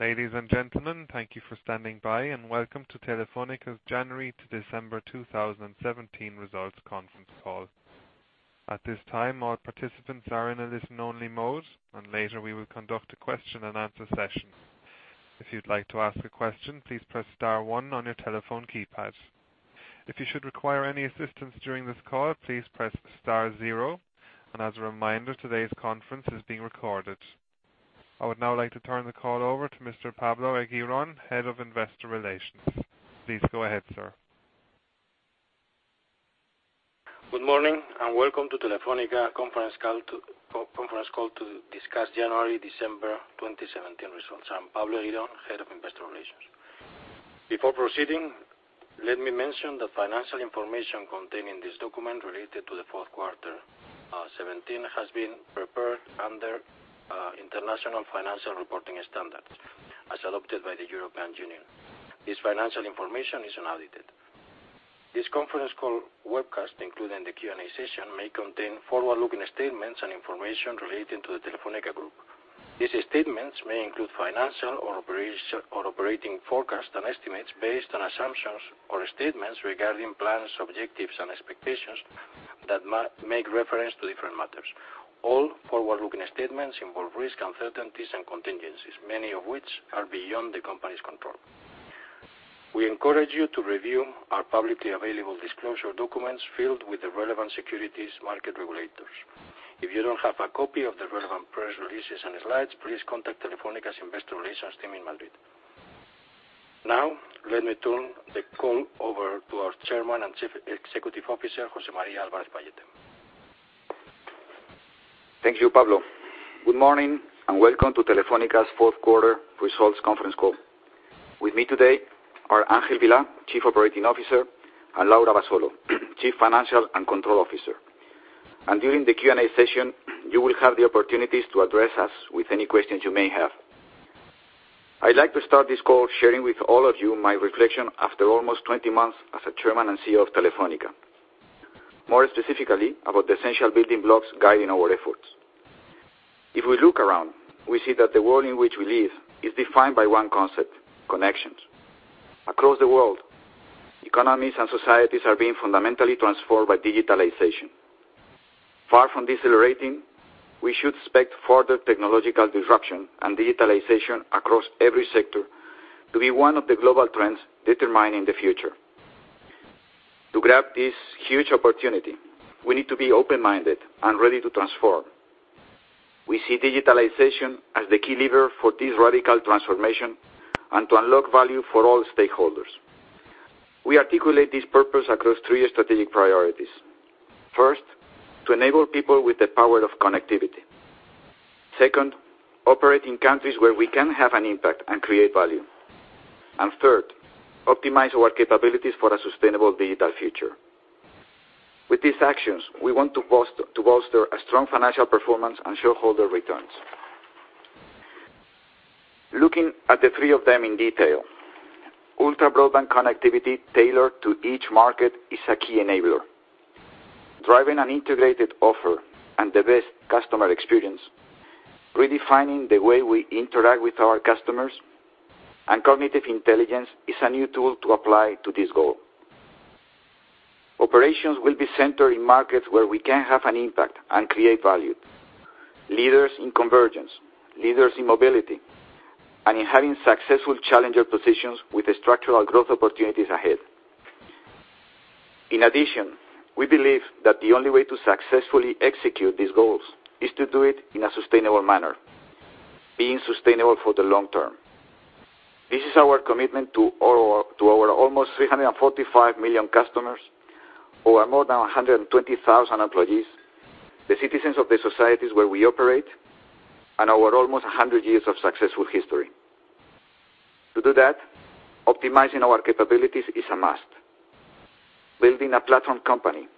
Ladies and gentlemen, thank you for standing by, welcome to Telefónica's January to December 2017 results conference call. At this time, all participants are in a listen-only mode. Later we will conduct a question and answer session. If you'd like to ask a question, please press star one on your telephone keypad. If you should require any assistance during this call, please press star zero. As a reminder, today's conference is being recorded. I would now like to turn the call over to Mr. Pablo Eguiron, Head of Investor Relations. Please go ahead, sir. Good morning, welcome to Telefónica conference call to discuss January to December 2017 results. I'm Pablo Eguiron, Head of Investor Relations. Before proceeding, let me mention the financial information contained in this document related to the fourth quarter 2017 has been prepared under International Financial Reporting Standards, as adopted by the European Union. This financial information is unaudited. This conference call webcast, including the Q&A session, may contain forward-looking statements and information relating to the Telefónica Group. These statements may include financial or operating forecasts and estimates based on assumptions or statements regarding plans, objectives, and expectations that make reference to different matters. All forward-looking statements involve risks, uncertainties, and contingencies, many of which are beyond the company's control. We encourage you to review our publicly available disclosure documents filled with the relevant securities market regulators. If you don't have a copy of the relevant press releases and slides, please contact Telefónica's Investor Relations team in Madrid. Let me turn the call over to our Chairman and Chief Executive Officer, José María Álvarez-Pallete. Thank you, Pablo. Good morning, welcome to Telefónica's fourth quarter results conference call. With me today are Ángel Vilá, Chief Operating Officer, and Laura Abasolo, Chief Financial and Control Officer. During the Q&A session, you will have the opportunities to address us with any questions you may have. I'd like to start this call sharing with all of you my reflection after almost 20 months as a Chairman and CEO of Telefónica. More specifically, about the essential building blocks guiding our efforts. If we look around, we see that the world in which we live is defined by one concept: connections. Across the world, economies and societies are being fundamentally transformed by digitalization. Far from decelerating, we should expect further technological disruption and digitalization across every sector to be one of the global trends determining the future. To grab this huge opportunity, we need to be open-minded and ready to transform. We see digitalization as the key lever for this radical transformation and to unlock value for all stakeholders. We articulate this purpose across three strategic priorities. First, to enable people with the power of connectivity. Second, operate in countries where we can have an impact and create value. Third, optimize our capabilities for a sustainable digital future. With these actions, we want to bolster a strong financial performance and shareholder returns. Looking at the three of them in detail. Ultra-broadband connectivity tailored to each market is a key enabler. Driving an integrated offer and the best customer experience, redefining the way we interact with our customers, and cognitive intelligence is a new tool to apply to this goal. Operations will be centered in markets where we can have an impact and create value. Leaders in convergence, leaders in mobility, and in having successful challenger positions with structural growth opportunities ahead. In addition, we believe that the only way to successfully execute these goals is to do it in a sustainable manner, being sustainable for the long term. This is our commitment to our almost 345 million customers or more than 120,000 employees, the citizens of the societies where we operate, and our almost 100 years of successful history. To do that, optimizing our capabilities is a must. Building a platform company,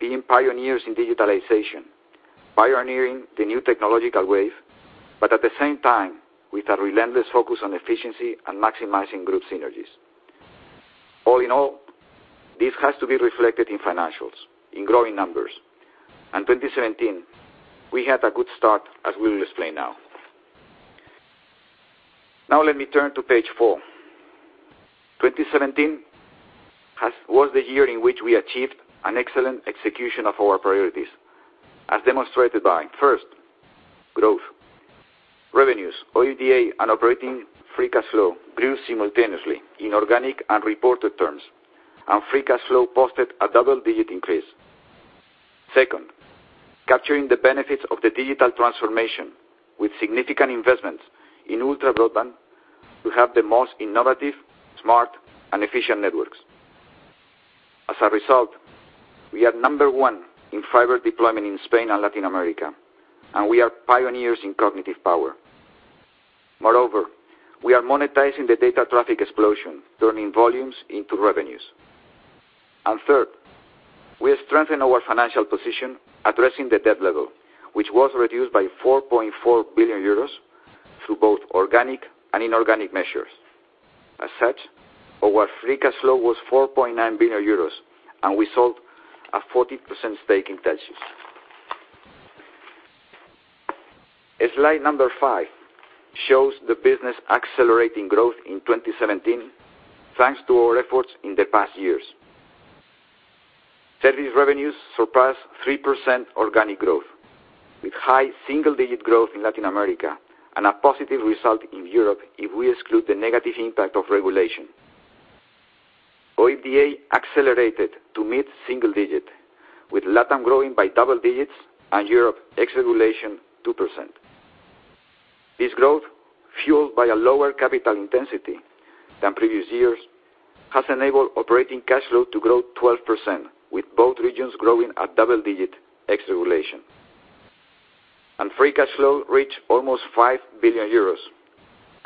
being pioneers in digitalization, pioneering the new technological wave, but at the same time, with a relentless focus on efficiency and maximizing group synergies. All in all, this has to be reflected in financials, in growing numbers. 2017, we had a good start, as we will explain now. Let me turn to page four. 2017 was the year in which we achieved an excellent execution of our priorities, as demonstrated by, first, growth. Revenues, OIBDA, and operating free cash flow grew simultaneously in organic and reported terms, and free cash flow posted a double-digit increase. Second, capturing the benefits of the digital transformation with significant investments in ultra-broadband to have the most innovative, smart, and efficient networks. As a result, we are number 1 in fiber deployment in Spain and Latin America, and we are pioneers in cognitive power. Moreover, we are monetizing the data traffic explosion, turning volumes into revenues. Third, we strengthen our financial position addressing the debt level, which was reduced by 4.4 billion euros through both organic and inorganic measures. As such, our free cash flow was 4.9 billion euros and we sold a 40% stake in Telxius. Slide number five shows the business accelerating growth in 2017, thanks to our efforts in the past years. Service revenues surpassed 3% organic growth, with high single-digit growth in Latin America and a positive result in Europe if we exclude the negative impact of regulation. OIBDA accelerated to mid-single digit, with LATAM growing by double digits and Europe ex regulation 2%. This growth, fueled by a lower capital intensity than previous years, has enabled operating cash flow to grow 12%, with both regions growing at double digits ex regulation. Free cash flow reached almost 5 billion euros,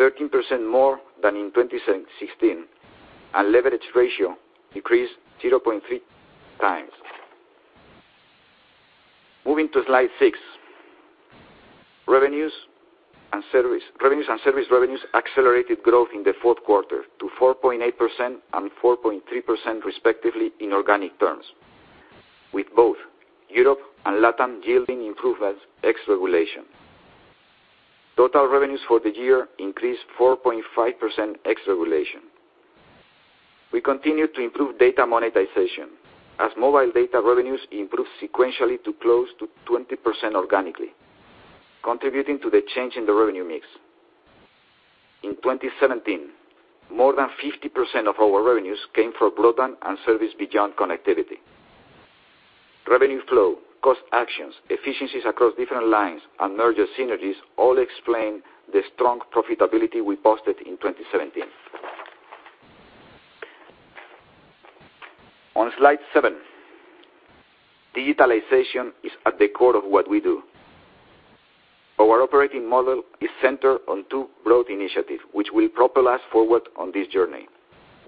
13% more than in 2016, and leverage ratio decreased 0.3 times. Moving to slide six. Service revenues accelerated growth in the fourth quarter to 4.8% and 4.3%, respectively, in organic terms, with both Europe and LATAM yielding improvements ex regulation. Total revenues for the year increased 4.5% ex regulation. We continue to improve data monetization as mobile data revenues improved sequentially to close to 20% organically, contributing to the change in the revenue mix. In 2017, more than 50% of our revenues came from broadband and service beyond connectivity. Revenue flow, cost actions, efficiencies across different lines, and merger synergies all explain the strong profitability we posted in 2017. On slide seven, digitalization is at the core of what we do. Our operating model is centered on two broad initiatives, which will propel us forward on this journey,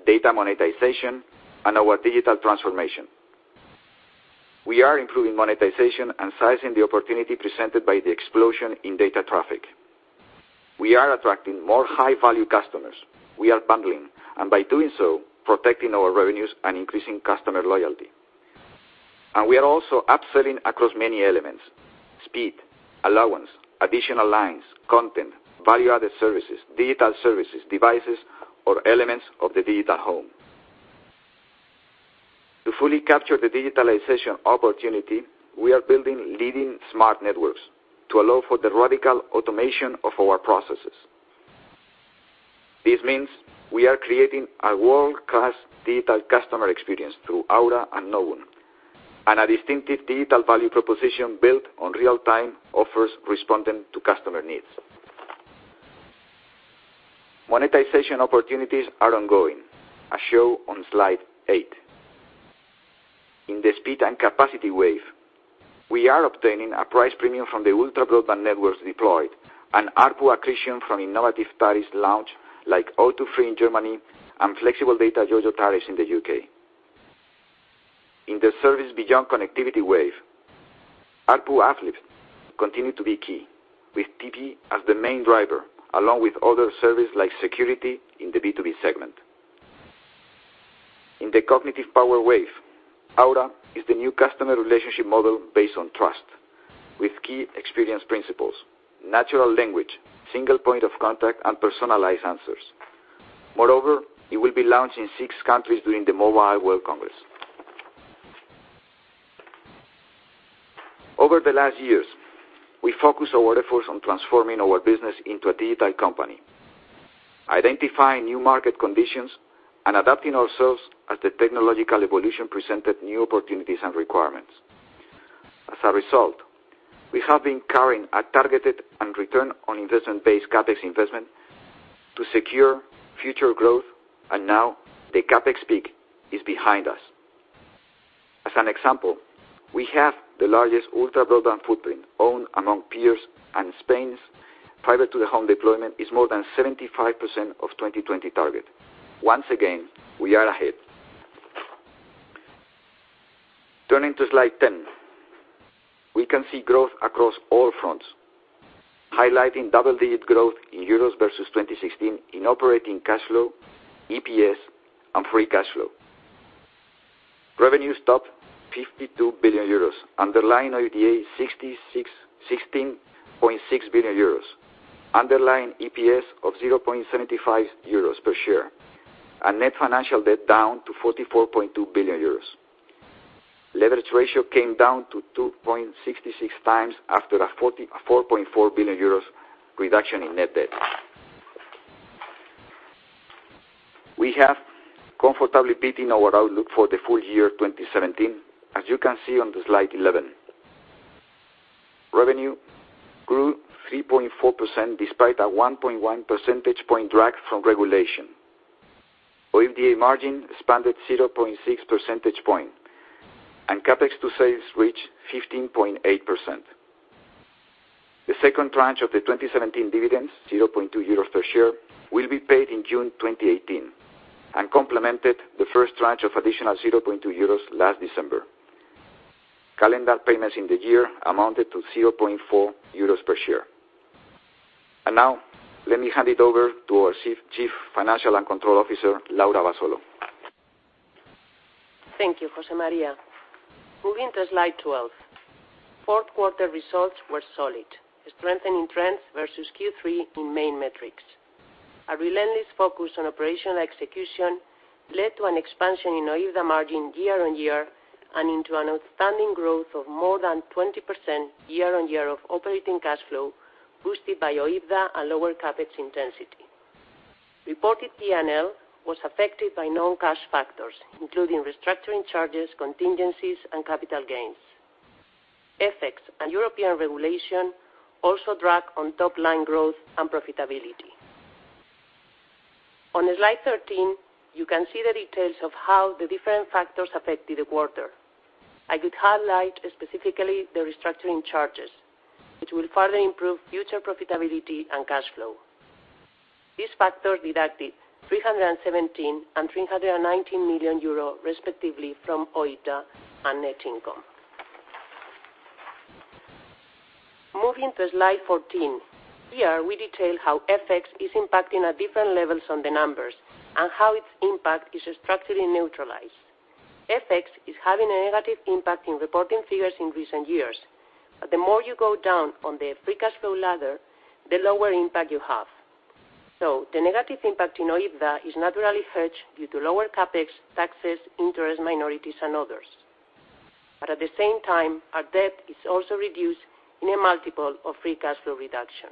data monetization and our digital transformation. We are improving monetization and seizing the opportunity presented by the explosion in data traffic. We are attracting more high-value customers. We are bundling, and by doing so, protecting our revenues and increasing customer loyalty. We are also upselling across many elements: speed, allowance, additional lines, content, value-added services, digital services, devices, or elements of the digital home. To fully capture the digitalization opportunity, we are building leading smart networks to allow for the radical automation of our processes. This means we are creating a world-class digital customer experience through Aura and Novum, and a distinctive digital value proposition built on real-time offers responding to customer needs. Monetization opportunities are ongoing, as shown on slide eight. In the speed and capacity wave, we are obtaining a price premium from the ultra-broadband networks deployed and ARPU accretion from innovative tariffs launch, like O2 Free in Germany and flexible data Yoigo tariffs in the U.K. In the service beyond connectivity wave, ARPU uplift continued to be key, with TV as the main driver, along with other services like security in the B2B segment. In the cognitive power wave, Aura is the new customer relationship model based on trust, with key experience principles, natural language, single point of contact, and personalized answers. Moreover, it will be launched in six countries during the Mobile World Congress. Over the last years, we focused our efforts on transforming our business into a digital company, identifying new market conditions and adapting ourselves as the technological evolution presented new opportunities and requirements. As a result, we have been carrying a targeted and return-on-investment based CapEx investment to secure future growth, and now the CapEx peak is behind us. As an example, we have the largest ultra broadband footprint owned among peers, and Spain's fiber-to-the-home deployment is more than 75% of 2020 target. Once again, we are ahead. Turning to slide 10. We can see growth across all fronts, highlighting double-digit growth in EUR versus 2016 in operating cash flow, EPS, and free cash flow. Revenues topped EUR 52 billion. Underlying OIBDA, 16.6 billion euros. Underlying EPS of 0.75 euros per share, and net financial debt down to 44.2 billion euros. Leverage ratio came down to 2.66 times after a 4.4 billion euros reduction in net debt. We have comfortably beaten our outlook for the full year 2017, as you can see on slide 11. Revenue grew 3.4% despite a 1.1 percentage point drag from regulation. OIBDA margin expanded 0.6 percentage point, and CapEx to sales reached 15.8%. The second tranche of the 2017 dividends, 0.2 euros per share, will be paid in June 2018 and complemented the first tranche of additional 0.2 euros last December. Calendar payments in the year amounted to 0.4 euros per share. Now let me hand it over to our Chief Financial and Control Officer, Laura Abasolo. Thank you José María. Moving to slide 12. Fourth quarter results were solid, strengthening trends versus Q3 in main metrics. A relentless focus on operational execution led to an expansion in OIBDA margin year-on-year and into an outstanding growth of more than 20% year-on-year of operating cash flow boosted by OIBDA and lower CapEx intensity. Reported P&L was affected by non-cash factors, including restructuring charges, contingencies, and capital gains. FX and European regulation also drag on top line growth and profitability. On slide 13, you can see the details of how the different factors affected the quarter. I could highlight specifically the restructuring charges, which will further improve future profitability and cash flow. These factors deducted 317 million and 319 million euro, respectively, from OIBDA and net income. Moving to slide 14. Here we detail how FX is impacting at different levels on the numbers and how its impact is structurally neutralized. FX is having a negative impact in reporting figures in recent years. The more you go down on the free cash flow ladder, the lower impact you have. The negative impact in OIBDA is naturally hedged due to lower CapEx, taxes, interest, minorities, and others. At the same time, our debt is also reduced in a multiple of free cash flow reduction.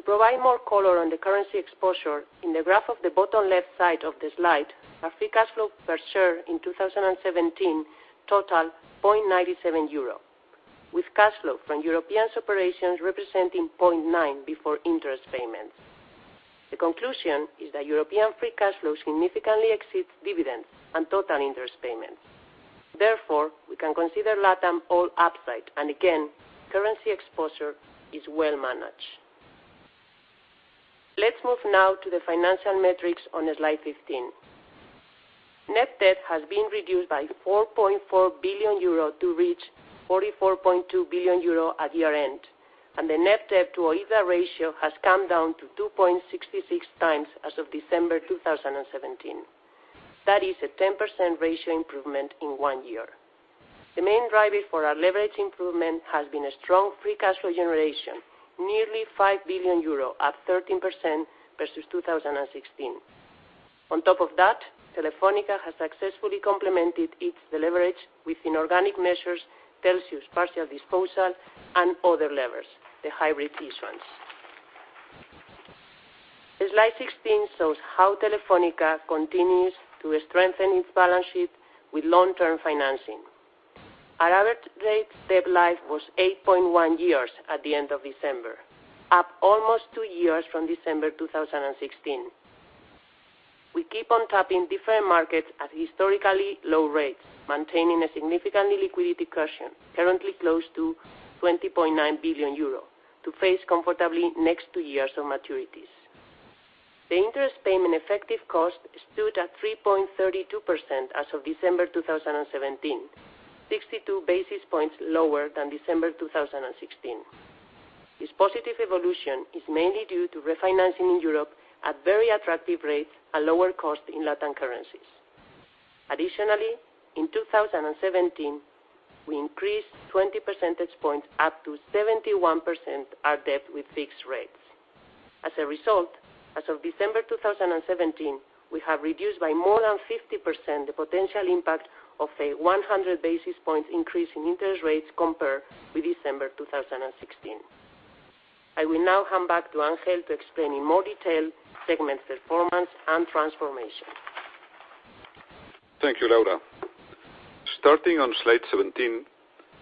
To provide more color on the currency exposure, in the graph of the bottom left side of the slide, our free cash flow per share in 2017 totaled 0.97 euro, with cash flow from European operations representing 0.9 before interest payments. The conclusion is that European free cash flow significantly exceeds dividends and total interest payments. Therefore, we can consider LATAM all upside, and again, currency exposure is well managed. Let's move now to the financial metrics on slide 15. Net debt has been reduced by 4.4 billion euro to reach 44.2 billion euro at year-end, and the net debt to OIBDA ratio has come down to 2.66 times as of December 2017. That is a 10% ratio improvement in one year. The main driver for our leverage improvement has been a strong free cash flow generation, nearly 5 billion euro, up 13% versus 2016. On top of that, Telefónica has successfully complemented its leverage with inorganic measures, Telxius partial disposal, and other levers, the hybrid issuance. Slide 16 shows how Telefónica continues to strengthen its balance sheet with long-term financing. Our average rate debt life was 8.1 years at the end of December, up almost two years from December 2016. We keep on tapping different markets at historically low rates, maintaining a significant liquidity cushion, currently close to 20.9 billion euro, to face comfortably next two years of maturities. The interest payment effective cost stood at 3.32% as of December 2017, 62 basis points lower than December 2016. This positive evolution is mainly due to refinancing in Europe at very attractive rates and lower cost in LATAM currencies. Additionally, in 2017, we increased 20 percentage points up to 71% our debt with fixed rates. As a result, as of December 2017, we have reduced by more than 50% the potential impact of a 100 basis points increase in interest rates compared with December 2016. I will now hand back to Ángel to explain in more detail segment performance and transformation. Thank you, Laura. Starting on slide 17,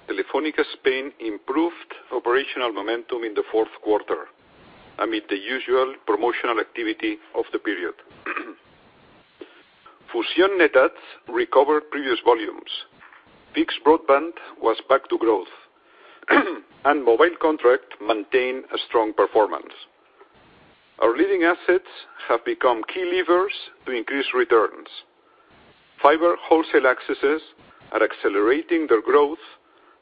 Telefónica Spain improved operational momentum in the fourth quarter amid the usual promotional activity of the period. Fusión net adds recovered previous volumes. Fixed broadband was back to growth and mobile contract maintained a strong performance. Our leading assets have become key levers to increase returns. Fiber wholesale accesses are accelerating their growth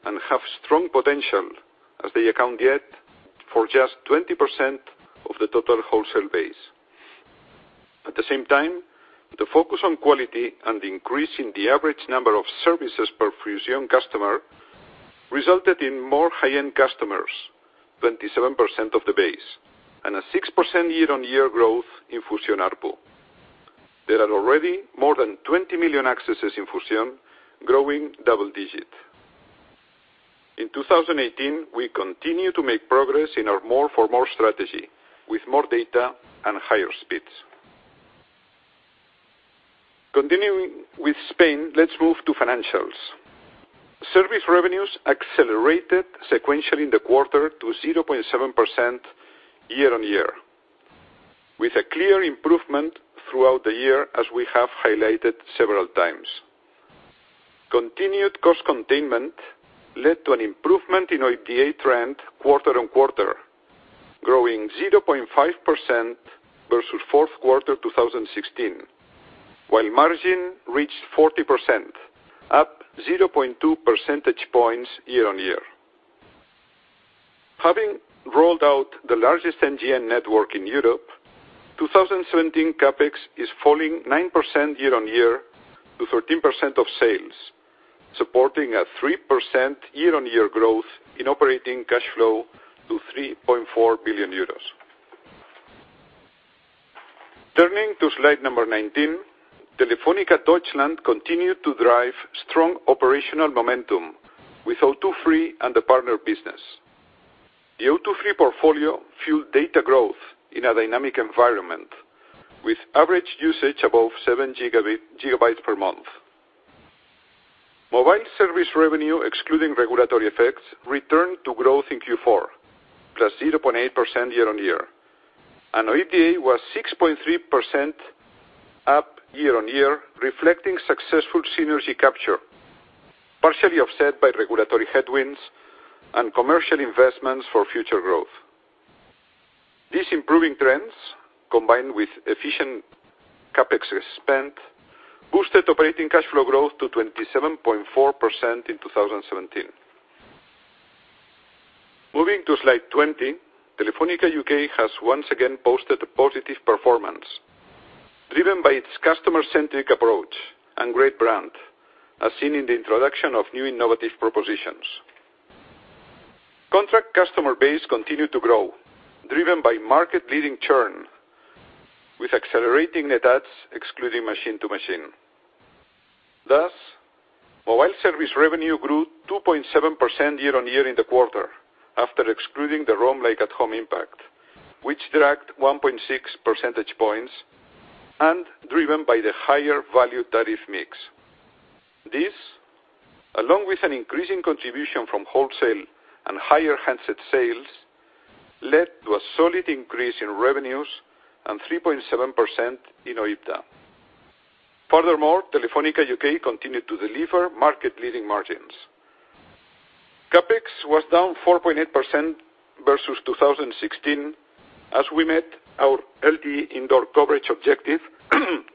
and have strong potential as they account yet for just 20% of the total wholesale base. At the same time, the focus on quality and increase in the average number of services per Fusión customer resulted in more high-end customers, 27% of the base, and a 6% year-on-year growth in Fusión ARPU. There are already more than 20 million accesses in Fusión, growing double-digit. In 2018, we continue to make progress in our more for more strategy with more data and higher speeds. Continuing with Spain, let's move to financials. Service revenues accelerated sequentially in the quarter to 0.7% year-on-year, with a clear improvement throughout the year as we have highlighted several times. Continued cost containment led to an improvement in OIBDA trend quarter-on-quarter. Growing 0.5% versus fourth quarter 2016, while margin reached 40%, up 0.2 percentage points year-on-year. Having rolled out the largest NGN network in Europe, 2017 CapEx is falling 9% year-on-year to 13% of sales, supporting a 3% year-on-year growth in operating cash flow to 3.4 billion euros. Turning to slide number 19, Telefónica Deutschland continued to drive strong operational momentum with O2 Free and the partner business. The O2 Free portfolio fueled data growth in a dynamic environment with average usage above seven gigabytes per month. Mobile service revenue, excluding regulatory effects, returned to growth in Q4, plus 0.8% year-on-year. OIBDA was 6.3% up year-on-year, reflecting successful synergy capture, partially offset by regulatory headwinds and commercial investments for future growth. These improving trends, combined with efficient CapEx spend, boosted operating cash flow growth to 27.4% in 2017. Moving to slide 20, Telefónica UK has once again posted a positive performance driven by its customer-centric approach and great brand, as seen in the introduction of new innovative propositions. Contract customer base continued to grow, driven by market leading churn with accelerating net adds, excluding machine-to-machine. Thus, mobile service revenue grew 2.7% year-on-year in the quarter after excluding the Roam Like at Home impact, which dragged 1.6 percentage points and driven by the higher value tariff mix. This, along with an increasing contribution from wholesale and higher handset sales, led to a solid increase in revenues and 3.7% in OIBDA. Furthermore, Telefónica UK continued to deliver market leading margins. CapEx was down 4.8% versus 2016 as we met our LTE indoor coverage objective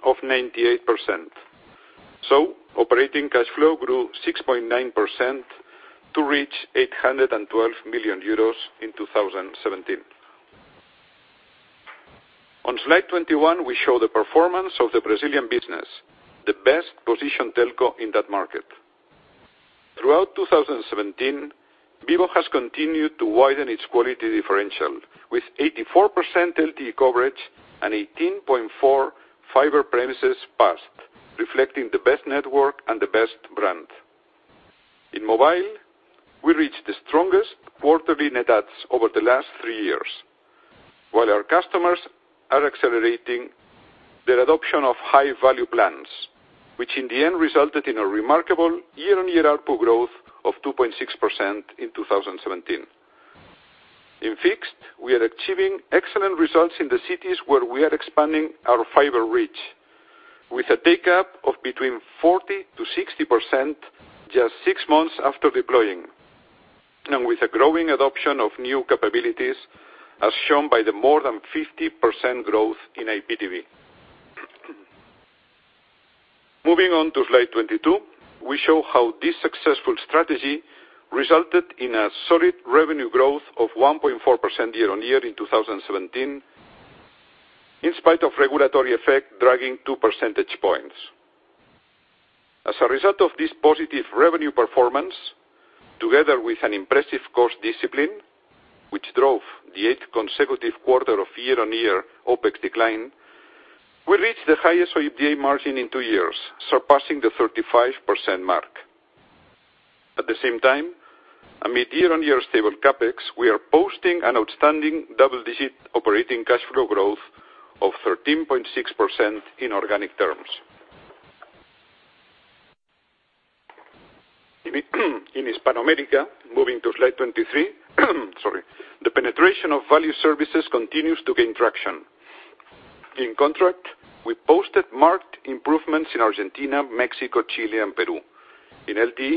of 98%. Operating cash flow grew 6.9% to reach 812 million euros in 2017. On slide 21, we show the performance of the Brazilian business, the best positioned telco in that market. Throughout 2017, Vivo has continued to widen its quality differential with 84% LTE coverage and 18.4 fiber premises passed, reflecting the best network and the best brand. In mobile, we reached the strongest quarterly net adds over the last three years. While our customers are accelerating their adoption of high value plans, which in the end resulted in a remarkable year-on-year ARPU growth of 2.6% in 2017. In fixed, we are achieving excellent results in the cities where we are expanding our fiber reach with a takeup of between 40%-60% just six months after deploying and with a growing adoption of new capabilities as shown by the more than 50% growth in IPTV. Moving on to slide 22, we show how this successful strategy resulted in a solid revenue growth of 1.4% year-on-year in 2017, in spite of regulatory effect dragging two percentage points. As a result of this positive revenue performance, together with an impressive cost discipline which drove the eighth consecutive quarter of year-on-year OpEx decline, we reached the highest OIBDA margin in two years, surpassing the 35% mark. At the same time, amid year-on-year stable CapEx, we are posting an outstanding double-digit operating cash flow growth of 13.6% in organic terms. In Hispanoamérica, moving to slide 23. Sorry. The penetration of value services continues to gain traction. In contract, we posted marked improvements in Argentina, Mexico, Chile and Peru. In LTE,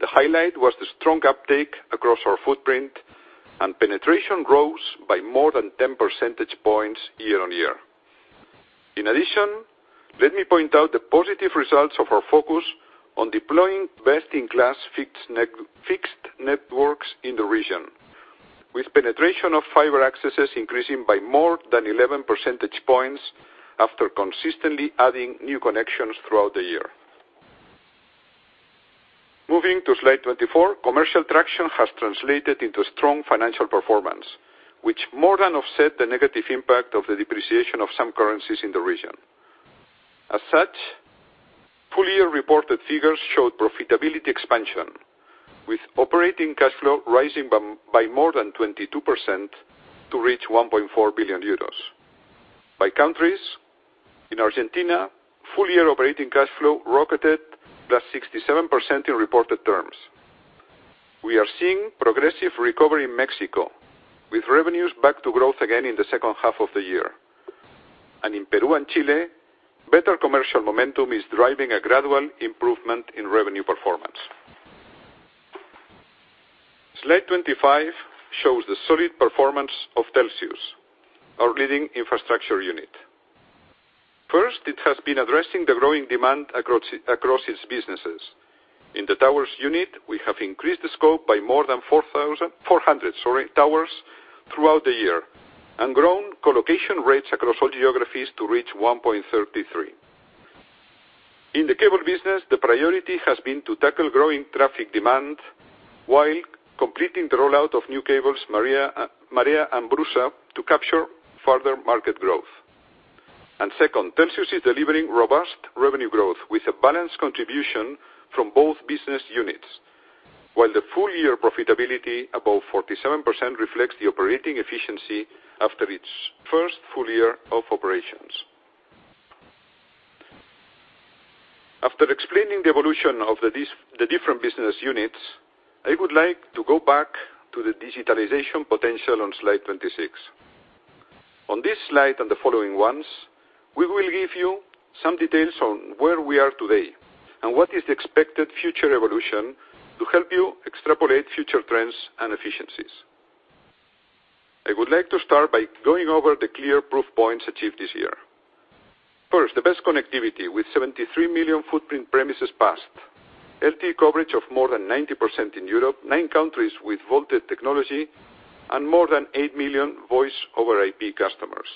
the highlight was the strong uptake across our footprint and penetration rose by more than 10 percentage points year-on-year. In addition, let me point out the positive results of our focus on deploying best-in-class fixed networks in the region, with penetration of fiber accesses increasing by more than 11 percentage points after consistently adding new connections throughout the year. Moving to slide 24, commercial traction has translated into strong financial performance, which more than offset the negative impact of the depreciation of some currencies in the region. As such, full year reported figures showed profitability expansion, with operating cash flow rising by more than 22% to reach 1.4 billion euros. By countries, in Argentina, full year operating cash flow rocketed plus 67% in reported terms. We are seeing progressive recovery in Mexico with revenues back to growth again in the second half of the year. In Peru and Chile, better commercial momentum is driving a gradual improvement in revenue performance. Slide 25 shows the solid performance of Telxius, our leading infrastructure unit. First, it has been addressing the growing demand across its businesses. In the towers unit, we have increased the scope by more than 400 towers throughout the year and grown co-location rates across all geographies to reach 1.33. In the cable business, the priority has been to tackle growing traffic demand while completing the rollout of new cables, MAREA and BRUSA, to capture further market growth. Second, Telxius is delivering robust revenue growth with a balanced contribution from both business units. While the full-year profitability above 47% reflects the operating efficiency after its first full year of operations. After explaining the evolution of the different business units, I would like to go back to the digitalization potential on slide 26. On this slide and the following ones, we will give you some details on where we are today and what is the expected future evolution to help you extrapolate future trends and efficiencies. I would like to start by going over the clear proof points achieved this year. First, the best connectivity with 73 million footprint premises passed, LTE coverage of more than 90% in Europe, nine countries with VoLTE technology, and more than 8 million Voice over IP customers.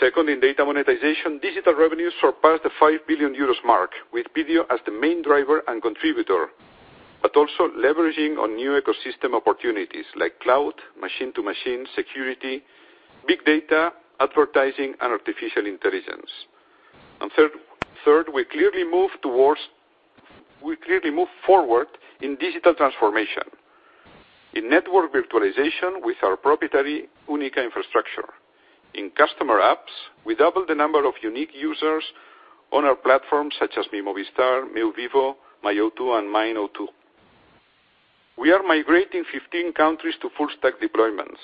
Second, in data monetization, digital revenues surpassed the 5 billion euros mark with video as the main driver and contributor, but also leveraging on new ecosystem opportunities like cloud, machine to machine security, big data, advertising, and artificial intelligence. Third, we clearly move forward in digital transformation. In network virtualization with our proprietary UNICA infrastructure. In customer apps, we double the number of unique users on our platforms such as Mi Movistar, Meu Vivo, My O2, and Mein o2. We are migrating 15 countries to full stack deployments.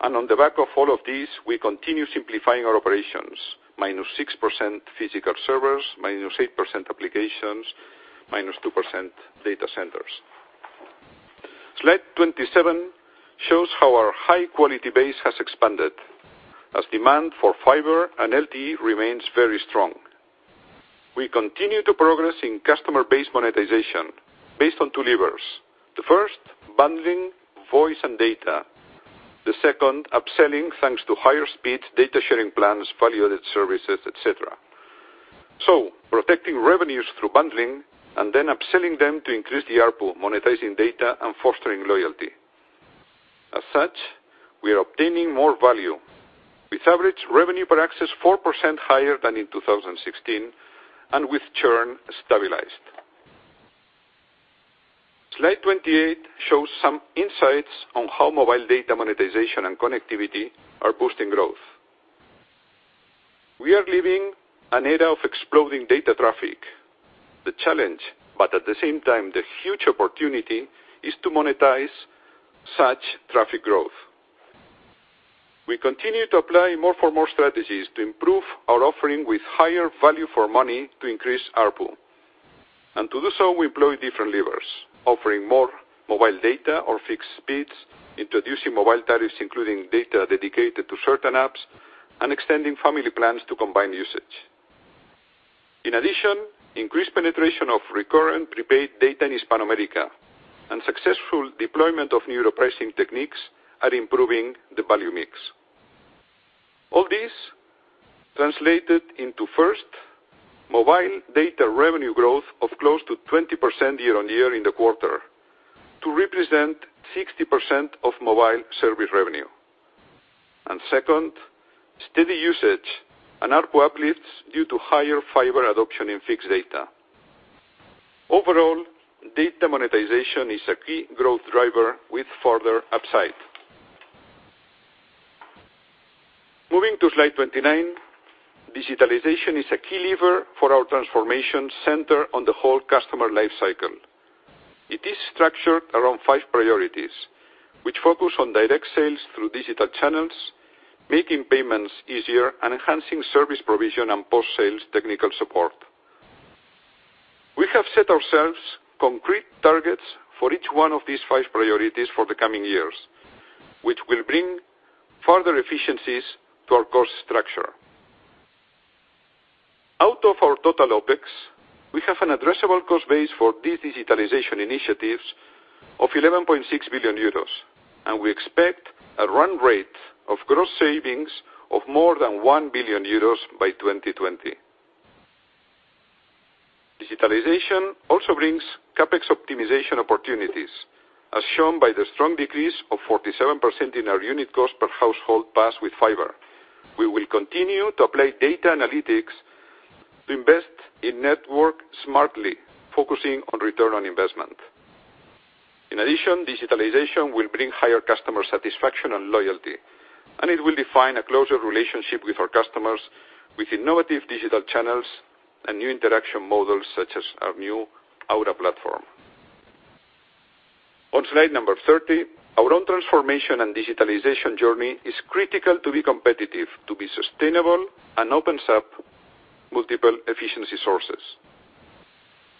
On the back of all of these, we continue simplifying our operations, minus 6% physical servers, minus 8% applications, minus 2% data centers. Slide 27 shows how our high-quality base has expanded, as demand for fiber and LTE remains very strong. We continue to progress in customer base monetization based on two levers. The first, bundling voice and data. The second, upselling, thanks to higher speeds, data sharing plans, value-added services, et cetera. Protecting revenues through bundling and then upselling them to increase the ARPU, monetizing data and fostering loyalty. As such, we are obtaining more value with average revenue per access 4% higher than in 2016 and with churn stabilized. Slide 28 shows some insights on how mobile data monetization and connectivity are boosting growth. We are living an era of exploding data traffic. The challenge, but at the same time, the huge opportunity, is to monetize such traffic growth. We continue to apply more for more strategies to improve our offering with higher value for money to increase ARPU. To do so, we employ different levers, offering more mobile data or fixed speeds, introducing mobile tariffs, including data dedicated to certain apps, and extending family plans to combine usage. In addition, increased penetration of recurrent prepaid data in Hispanoamérica, and successful deployment of new pricing techniques are improving the value mix. All this translated into, first, mobile data revenue growth of close to 20% year-on-year in the quarter to represent 60% of mobile service revenue. Second, steady usage and ARPU uplifts due to higher fiber adoption in fixed data. Overall, data monetization is a key growth driver with further upside. Moving to slide 29. Digitalization is a key lever for our transformation center on the whole customer life cycle. It is structured around five priorities, which focus on direct sales through digital channels, making payments easier, and enhancing service provision and post-sales technical support. We have set ourselves concrete targets for each one of these five priorities for the coming years, which will bring further efficiencies to our cost structure. Out of our total OpEx, we have an addressable cost base for these digitalization initiatives of 11.6 billion euros, and we expect a run rate of gross savings of more than 1 billion euros by 2020. Digitalization also brings CapEx optimization opportunities, as shown by the strong decrease of 47% in our unit cost per household passed with fiber. We will continue to apply data analytics to invest in network smartly, focusing on return on investment. In addition, digitalization will bring higher customer satisfaction and loyalty, and it will define a closer relationship with our customers with innovative digital channels and new interaction models such as our new Aura platform. On slide number 30, our own transformation and digitalization journey is critical to be competitive, to be sustainable, and opens up multiple efficiency sources.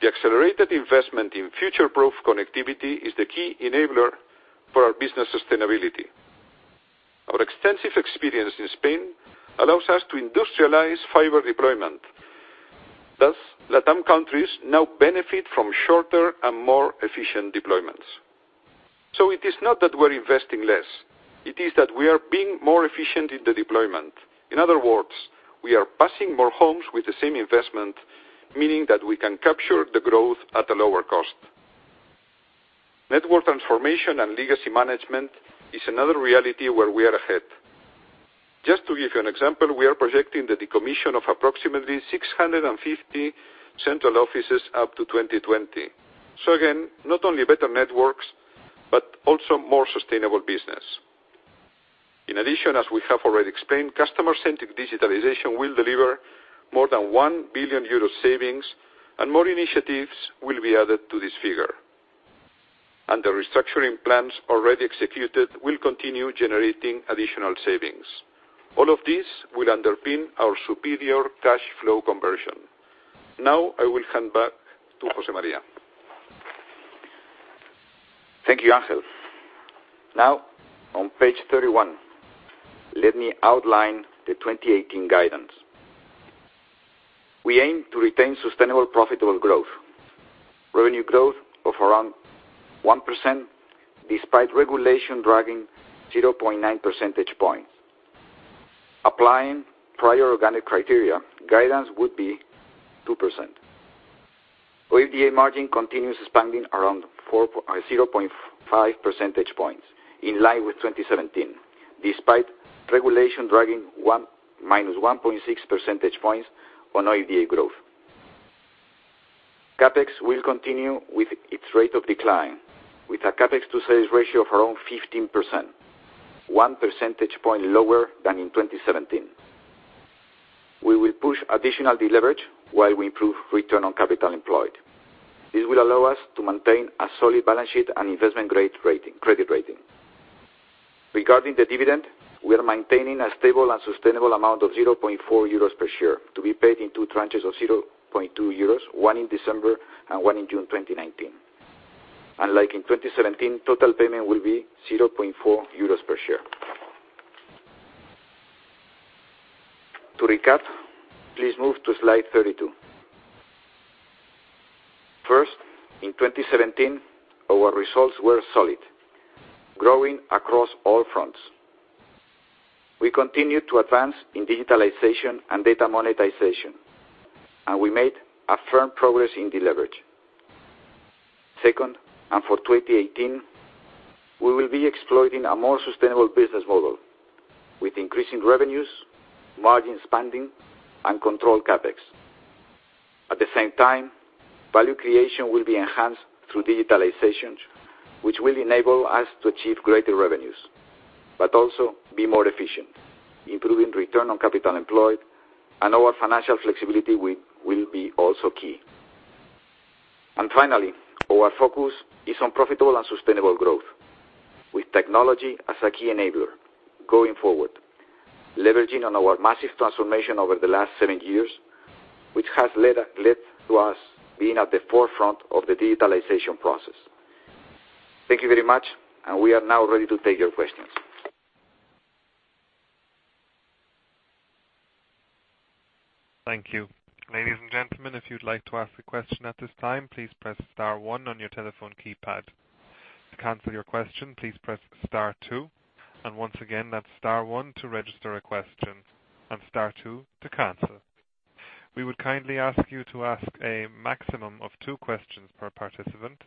The accelerated investment in future-proof connectivity is the key enabler for our business sustainability. Our extensive experience in Spain allows us to industrialize fiber deployment. Thus, LatAm countries now benefit from shorter and more efficient deployments. It is not that we're investing less, it is that we are being more efficient in the deployment. In other words, we are passing more homes with the same investment, meaning that we can capture the growth at a lower cost. Network transformation and legacy management is another reality where we are ahead. Just to give you an example, we are projecting the decommission of approximately 650 central offices up to 2020. Again, not only better networks, but also more sustainable business. In addition, as we have already explained, customer-centric digitalization will deliver more than 1 billion euro savings and more initiatives will be added to this figure. The restructuring plans already executed will continue generating additional savings. All of this will underpin our superior cash flow conversion. Now, I will hand back to José María. Thank you, Ángel. On page 31, let me outline the 2018 guidance. We aim to retain sustainable profitable growth. Revenue growth of around 1%, despite regulation dragging 0.9 percentage points. Applying prior organic criteria, guidance would be 2%. OIBDA margin continues expanding around 0.5 percentage points, in line with 2017, despite regulation dragging -1.6 percentage points on OIBDA growth. CapEx will continue with its rate of decline, with a CapEx to sales ratio of around 15%, one percentage point lower than in 2017. We will push additional deleverage while we improve return on capital employed. This will allow us to maintain a solid balance sheet and investment credit rating. Regarding the dividend, we are maintaining a stable and sustainable amount of 0.4 euros per share, to be paid in two tranches of 0.2 euros, one in December and one in June 2019. In 2017, total payment will be 0.4 euros per share. To recap, please move to slide 32. First, in 2017, our results were solid, growing across all fronts. We continued to advance in digitalization and data monetization. We made a firm progress in deleverage. Second, for 2018, we will be exploiting a more sustainable business model with increasing revenues, margin expanding, and controlled CapEx. At the same time, value creation will be enhanced through digitalizations, which will enable us to achieve greater revenues, but also be more efficient, improving return on capital employed. Our financial flexibility will be also key. Finally, our focus is on profitable and sustainable growth, with technology as a key enabler going forward. Leveraging on our massive transformation over the last seven years, which has led to us being at the forefront of the digitalization process. Thank you very much. We are now ready to take your questions. Thank you. Ladies and gentlemen, if you'd like to ask a question at this time, please press star one on your telephone keypad. To cancel your question, please press star two. Once again, that's star one to register a question and star two to cancel. We would kindly ask you to ask a maximum of two questions per participant.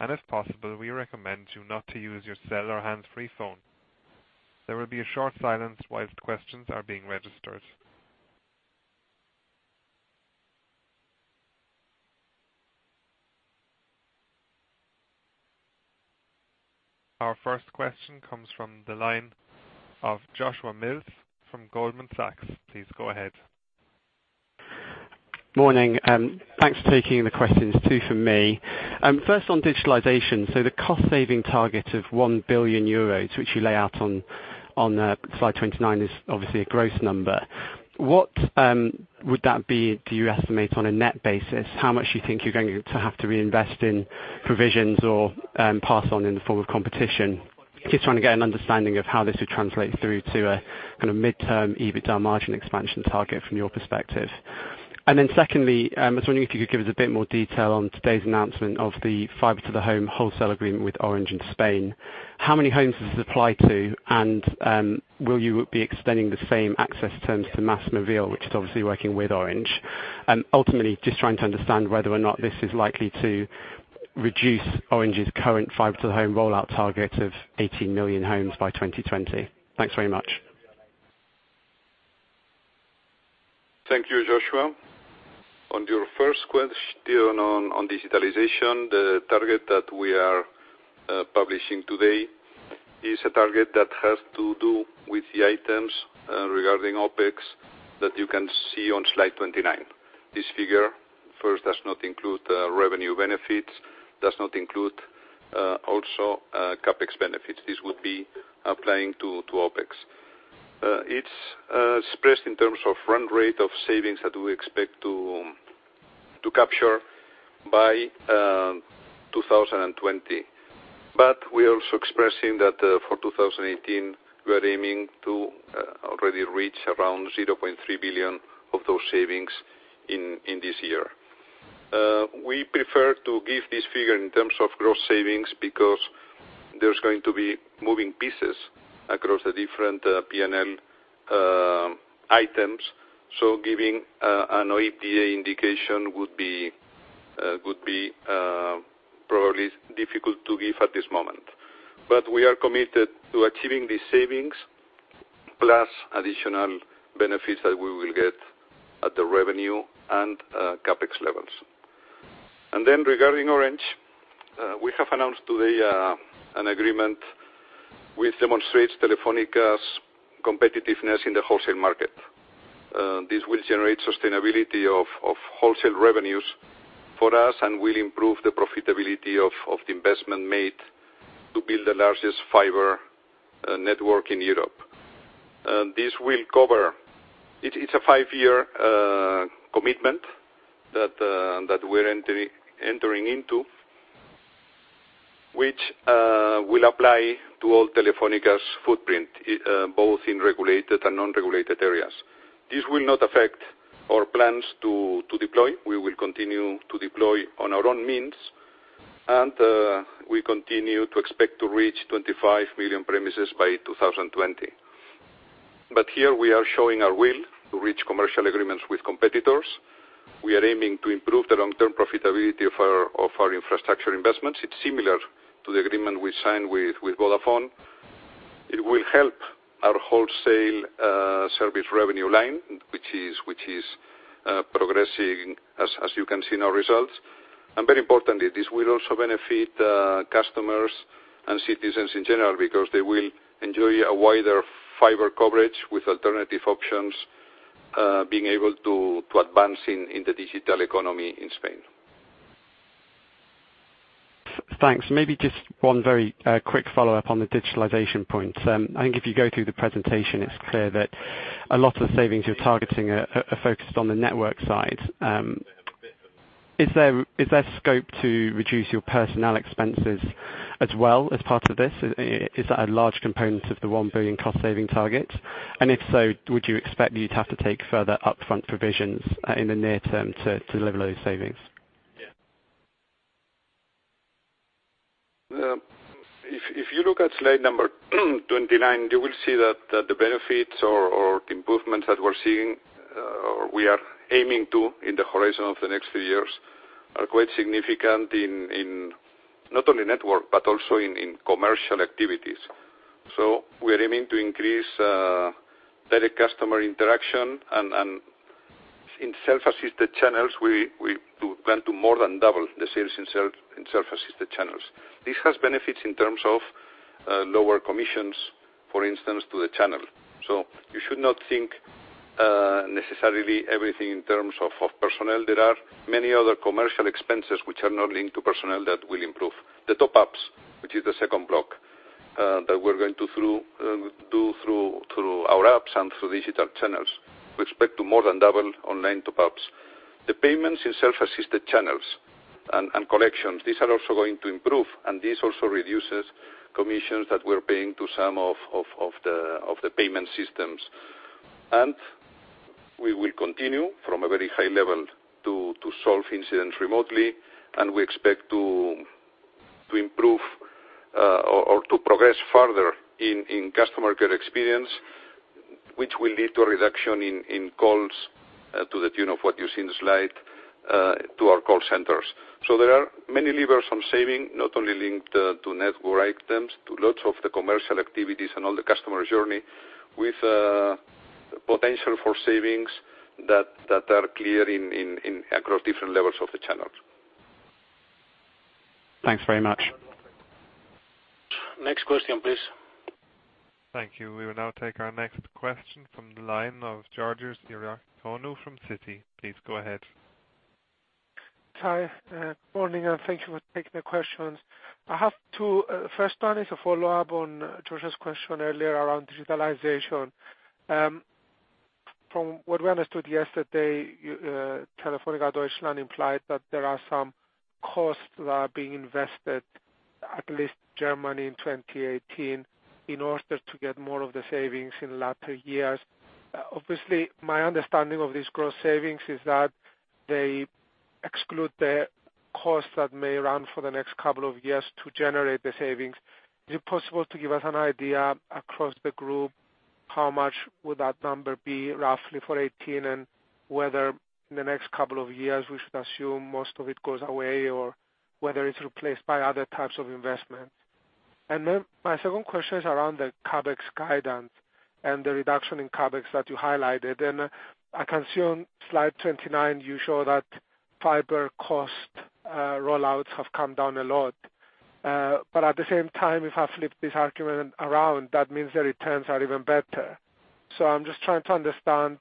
If possible, we recommend you not to use your cell or hand-free phone. There will be a short silence whilst questions are being registered. Our first question comes from the line of Joshua Mills from Goldman Sachs. Please go ahead. Morning. Thanks for taking the questions. Two from me. First, on digitalization. The cost saving target of 1 billion euros, which you lay out on slide 29, is obviously a gross number. What would that be, do you estimate, on a net basis? How much do you think you're going to have to reinvest in provisions or pass on in the form of competition? Just trying to get an understanding of how this would translate through to a midterm EBITDA margin expansion target from your perspective. Secondly, I was wondering if you could give us a bit more detail on today's announcement of the fiber-to-the-home wholesale agreement with Orange in Spain. How many homes does this apply to? Will you be extending the same access terms to MásMóvil, which is obviously working with Orange? Ultimately, just trying to understand whether or not this is likely to reduce Orange's current fiber-to-the-home rollout target of 18 million homes by 2020. Thanks very much. Thank you, Joshua. On your first question on digitalization, the target that we are publishing today is a target that has to do with the items regarding OpEx that you can see on slide 29. This figure first does not include revenue benefits, does not include also CapEx benefits. This would be applying to OpEx. It's expressed in terms of run rate of savings that we expect to capture by 2020. We're also expressing that for 2018, we are aiming to already reach around 0.3 billion of those savings in this year. We prefer to give this figure in terms of gross savings because there's going to be moving pieces across the different P&L items, so giving an OIBDA indication would be probably difficult to give at this moment. We are committed to achieving these savings plus additional benefits that we will get at the revenue and CapEx levels. Regarding Orange, we have announced today an agreement which demonstrates Telefónica's competitiveness in the wholesale market. This will generate sustainability of wholesale revenues for us and will improve the profitability of the investment made to build the largest fiber network in Europe. It's a five-year commitment that we're entering into, which will apply to all Telefónica's footprint, both in regulated and non-regulated areas. This will not affect our plans to deploy. We will continue to deploy on our own means, and we continue to expect to reach 25 million premises by 2020. Here we are showing our will to reach commercial agreements with competitors. We are aiming to improve the long-term profitability of our infrastructure investments. It's similar to the agreement we signed with Vodafone. It will help our wholesale service revenue line, which is progressing as you can see in our results. Very importantly, this will also benefit customers and citizens in general because they will enjoy a wider fiber coverage with alternative options, being able to advance in the digital economy in Spain. Thanks. Maybe just one very quick follow-up on the digitalization point. I think if you go through the presentation, it's clear that a lot of the savings you're targeting are focused on the network side. Is there a scope to reduce your personnel expenses as well as part of this? Is that a large component of the 1 billion cost-saving target? If so, would you expect you'd have to take further upfront provisions in the near term to deliver those savings? If you look at slide number 29, you will see that the benefits or improvements that we're seeing, or we are aiming to in the horizon of the next few years, are quite significant in not only network but also in commercial activities. We are aiming to increase direct customer interaction and in self-assisted channels, we plan to more than double the sales in self-assisted channels. This has benefits in terms of lower commissions, for instance, to the channel. You should not think necessarily everything in terms of personnel. There are many other commercial expenses which are not linked to personnel that will improve. The top-ups, which is the second block that we're going to do through our apps and through digital channels. We expect to more than double online top-ups. The payments in self-assisted channels and collections, these are also going to improve, and this also reduces commissions that we're paying to some of the payment systems. We will continue from a very high level to solve incidents remotely, and we expect to improve or to progress further in customer care experience, which will lead to a reduction in calls to the tune of what you see in the slide to our call centers. There are many levers from saving, not only linked to network items, to lots of the commercial activities and all the customer journey with potential for savings that are clear across different levels of the channels. Thanks very much. Next question, please. Thank you. We will now take our next question from the line of Georgios Ierodiaconou from Citi. Please go ahead. Hi, good morning, and thank you for taking the questions. I have two. First one is a follow-up on Joshua's question earlier around digitalization. From what we understood yesterday, Telefónica Deutschland implied that there are some costs that are being invested, at least Germany in 2018, in order to get more of the savings in latter years. Obviously, my understanding of these gross savings is that they exclude the costs that may run for the next couple of years to generate the savings. Is it possible to give us an idea across the group, how much would that number be roughly for '18 and whether in the next couple of years we should assume most of it goes away or whether it's replaced by other types of investment? My second question is around the CapEx guidance and the reduction in CapEx that you highlighted. I can see on slide 29, you show that fiber costs rollouts have come down a lot. But at the same time, if I flip this argument around, that means the returns are even better. I'm just trying to understand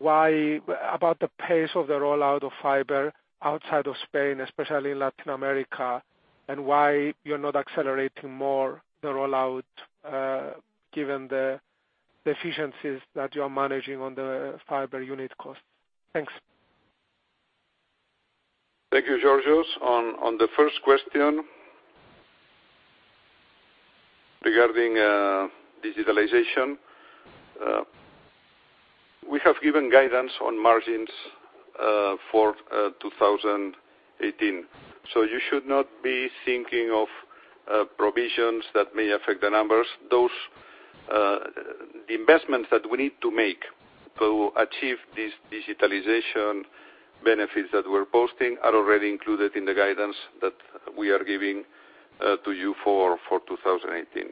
about the pace of the rollout of fiber outside of Spain, especially Latin America, and why you're not accelerating more the rollout, given the efficiencies that you are managing on the fiber unit cost. Thanks. Thank you, Georgios. On the first question regarding digitalization, we have given guidance on margins for 2018. You should not be thinking of provisions that may affect the numbers. The investments that we need to make to achieve these digitalization benefits that we're posting are already included in the guidance that we are giving to you for 2018.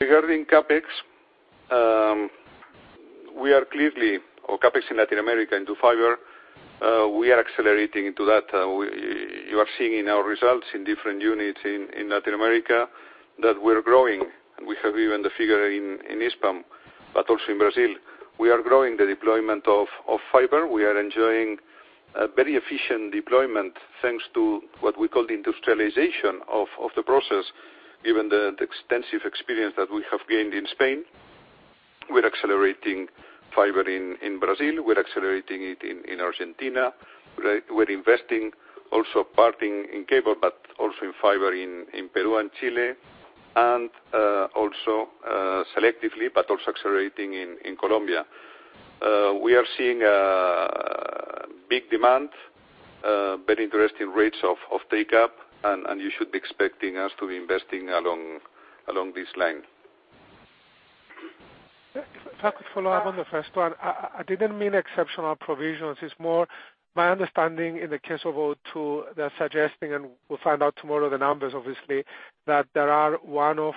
Regarding CapEx, we are clearly, or CapEx in Latin America into fiber, we are accelerating into that. You are seeing in our results in different units in Latin America that we're growing. We have even the figure in Hispam, but also in Brazil. We are growing the deployment of fiber. We are enjoying a very efficient deployment, thanks to what we call the industrialization of the process, given the extensive experience that we have gained in Spain. We're accelerating fiber in Brazil, we're accelerating it in Argentina. We're investing also part in cable, but also in fiber in Peru and Chile, and also selectively, but also accelerating in Colombia. We are seeing a big demand, very interesting rates of take-up. You should be expecting us to be investing along this line. If I could follow up on the first one. I didn't mean exceptional provisions. It's more my understanding in the case of O2, they're suggesting, and we'll find out tomorrow the numbers obviously, that there are one-off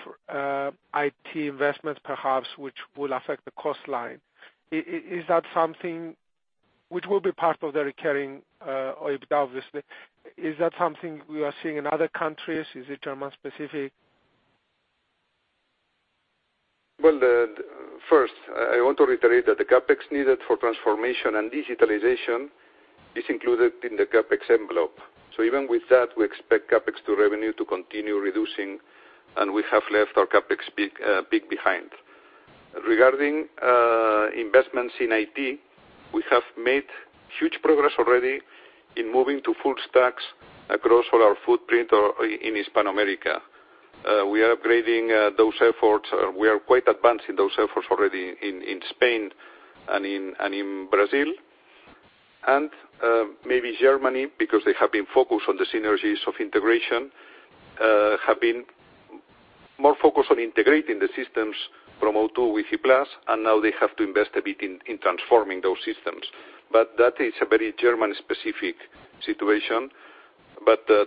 IT investments perhaps which will affect the cost line. Which will be part of the recurring OIBDA, obviously. Is that something we are seeing in other countries? Is it German-specific? Well, first, I want to reiterate that the CapEx needed for transformation and digitalization is included in the CapEx envelope. Even with that, we expect CapEx to revenue to continue reducing, and we have left our CapEx peak behind. Regarding investments in IT, we have made huge progress already in moving to full stacks across all our footprint in Hispanoamerica. We are upgrading those efforts. We are quite advanced in those efforts already in Spain and in Brazil. Maybe Germany, because they have been focused on the synergies of integration, have been more focused on integrating the systems from O2 with E-Plus, and now they have to invest a bit in transforming those systems. That is a very German-specific situation.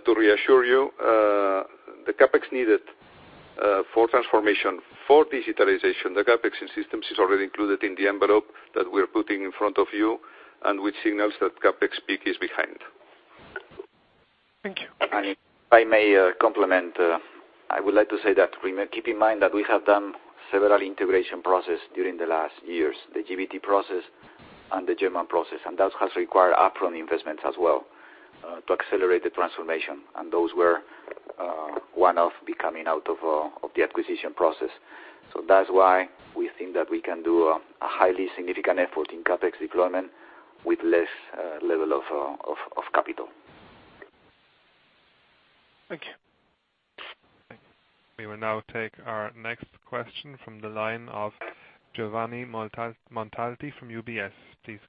To reassure you, the CapEx needed for transformation, for digitalization, the CapEx in systems is already included in the envelope that we're putting in front of you, and which signals that CapEx peak is behind. Thank you. If I may complement, I would like to say that keep in mind that we have done several integration process during the last years, the GVT process and the German process, and that has required upfront investments as well to accelerate the transformation. Those were one of becoming out of the acquisition process. That's why we think that we can do a highly significant effort in CapEx deployment with less level of capital. Thank you. We will now take our next question from the line of Giovanni Montalti from UBS. Please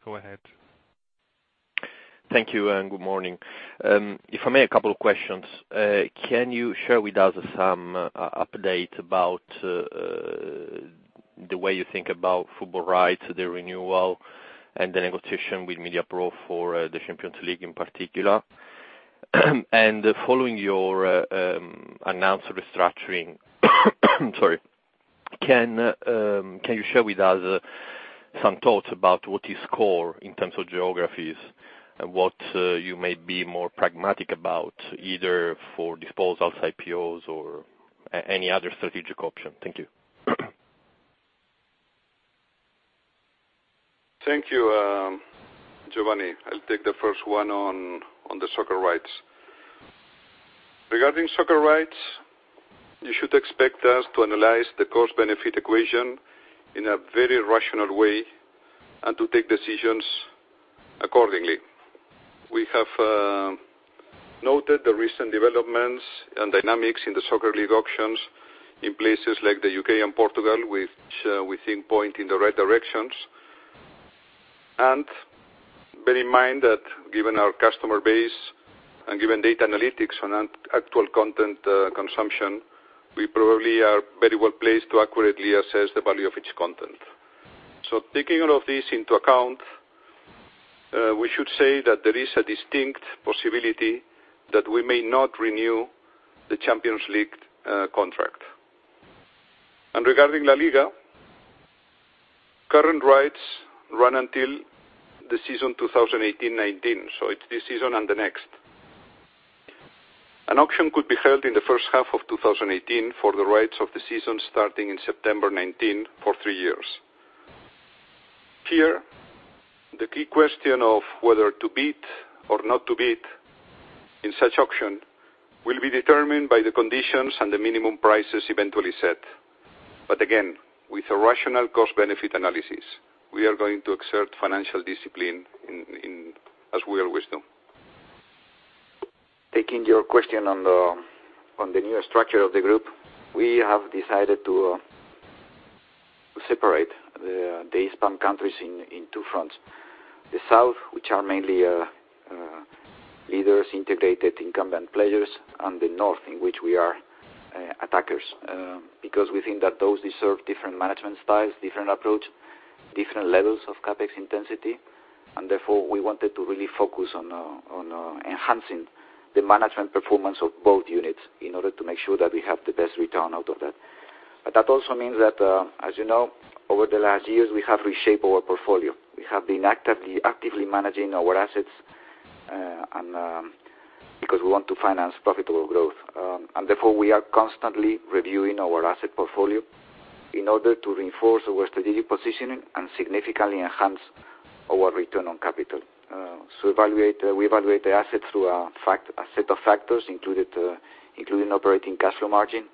go ahead. Thank you, and good morning. If I may, a couple of questions. Can you share with us some update about the way you think about football rights, the renewal, and the negotiation with Mediapro for the Champions League in particular? Following your announced restructuring, can you share with us some thoughts about what is core in terms of geographies and what you may be more pragmatic about, either for disposals, IPOs, or any other strategic option? Thank you. Thank you, Giovanni. I'll take the first one on the soccer rights. Regarding soccer rights, you should expect us to analyze the cost-benefit equation in a very rational way and to take decisions accordingly. We have noted the recent developments and dynamics in the Soccer League auctions in places like the U.K. and Portugal, which we think point in the right directions. Bear in mind that given our customer base and given data analytics on actual content consumption, we probably are very well placed to accurately assess the value of each content. Taking all of this into account, we should say that there is a distinct possibility that we may not renew the Champions League contract. Regarding La Liga Current rights run until the season 2018/19, so it's this season and the next. An auction could be held in the first half of 2018 for the rights of the season starting in September 2019 for three years. Here, the key question of whether to bid or not to bid in such auction will be determined by the conditions and the minimum prices eventually set. Again, with a rational cost-benefit analysis, we are going to exert financial discipline as we always do. Taking your question on the newer structure of the group, we have decided to separate the Hispam countries in two fronts: the South, which are mainly leaders, integrated incumbent players; and the North, in which we are attackers. We think that those deserve different management styles, different approach, different levels of CapEx intensity, and therefore we wanted to really focus on enhancing the management performance of both units in order to make sure that we have the best return out of that. That also means that, as you know, over the last years, we have reshaped our portfolio. We have been actively managing our assets, because we want to finance profitable growth. Therefore we are constantly reviewing our asset portfolio in order to reinforce our strategic positioning and significantly enhance our return on capital. We evaluate the assets through a set of factors, including operating cash flow margin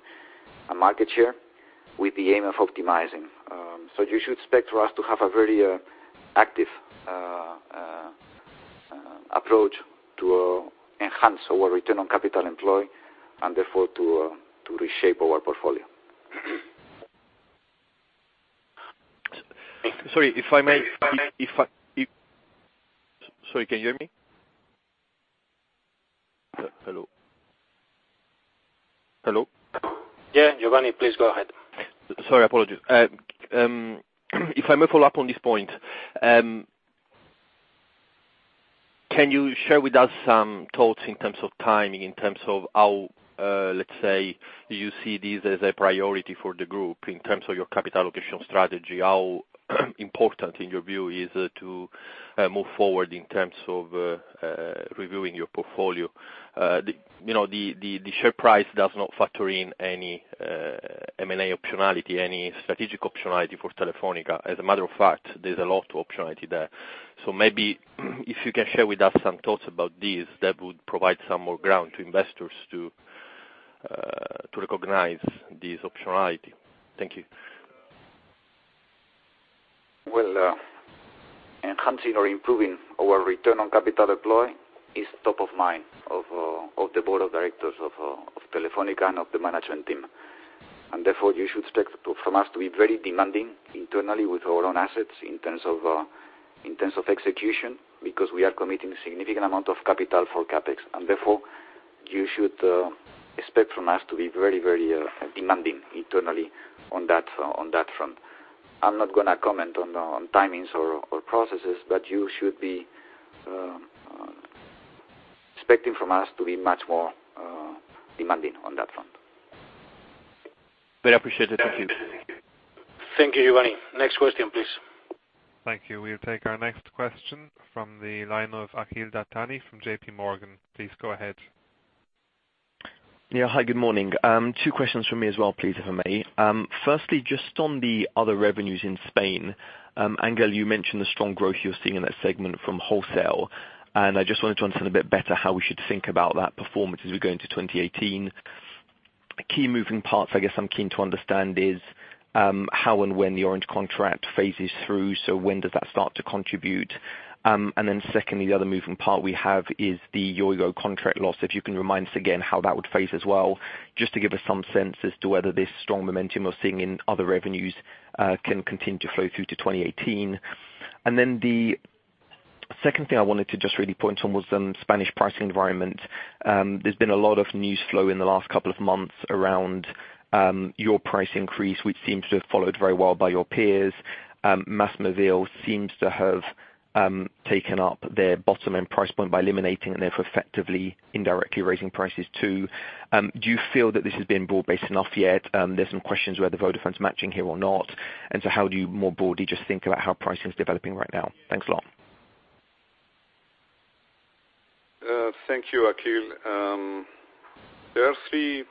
and market share with the aim of optimizing. You should expect for us to have a very active approach to enhance our return on capital employed, and therefore to reshape our portfolio. Sorry, if I may, can you hear me? Hello? Yeah, Giovanni, please go ahead. Sorry, apologies. If I may follow up on this point, can you share with us some thoughts in terms of timing, in terms of how, let's say, you see this as a priority for the Group in terms of your capital allocation strategy? How important, in your view, is it to move forward in terms of reviewing your portfolio? The share price does not factor in any M&A optionality, any strategic optionality for Telefónica. As a matter of fact, there's a lot of optionality there. Maybe if you can share with us some thoughts about this, that would provide some more ground to investors to recognize this optionality. Thank you. Enhancing or improving our return on capital deploy is top of mind of the board of directors of Telefónica and of the management team. Therefore you should expect from us to be very demanding internally with our own assets in terms of execution, because we are committing significant amount of capital for CapEx. Therefore, you should expect from us to be very demanding internally on that front. I'm not going to comment on timings or processes, but you should be expecting from us to be much more demanding on that front. Very appreciated. Thank you. Thank you, Giovanni. Next question, please. Thank you. We'll take our next question from the line of Akhil Dattani from J.P. Morgan. Please go ahead. Yeah. Hi, good morning. Two questions from me as well, please, if I may. Firstly, just on the other revenues in Spain, Ángel, you mentioned the strong growth you're seeing in that segment from wholesale. I just wanted to understand a bit better how we should think about that performance as we go into 2018. Key moving parts I guess I'm keen to understand is, how and when the Orange contract phases through. So when does that start to contribute? Secondly, the other moving part we have is the Yoigo contract loss. If you can remind us again how that would phase as well, just to give us some sense as to whether this strong momentum we're seeing in other revenues can continue to flow through to 2018. The second thing I wanted to just really point on was on Spanish pricing environment. There's been a lot of news flow in the last couple of months around your price increase, which seems to have followed very well by your peers. MásMóvil seems to have taken up their bottom-end price point by eliminating and therefore effectively indirectly raising prices, too. Do you feel that this has been broad-based enough yet? There's some questions whether Vodafone's matching here or not. How do you more broadly just think about how pricing's developing right now? Thanks a lot. Thank you, Akhil. There are three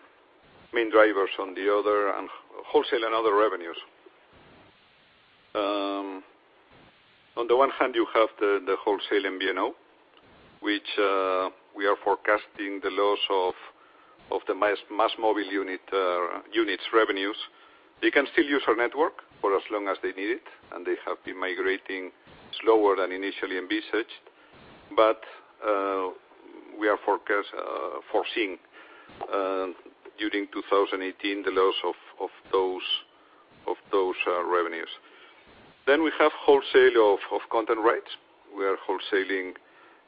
main drivers on the wholesale and other revenues. On the one hand, you have the wholesale MVNO, which we are forecasting the loss of the MásMóvil unit's revenues. They can still use our network for as long as they need it, and they have been migrating slower than initially envisaged. We are foreseeing, during 2018, the loss of those revenues. We have wholesale of content rights. We are wholesaling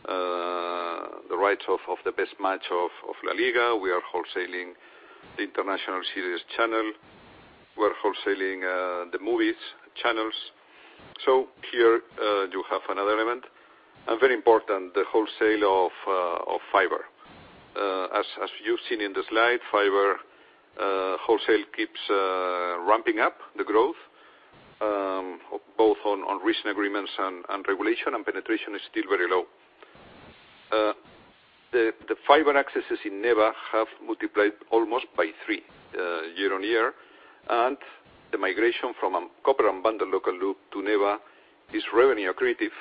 the rights of the best match of La Liga. We are wholesaling the International Series channel. We're wholesaling the movies channels. Here, you have another element. Very important, the wholesale of fiber. As you've seen in the slide, fiber wholesale keeps ramping up the growth, both on recent agreements and regulation, and penetration is still very low. The fiber accesses in NEBA have multiplied almost by three year-on-year, and the migration from copper unbundled local loop to NEBA is revenue accretive,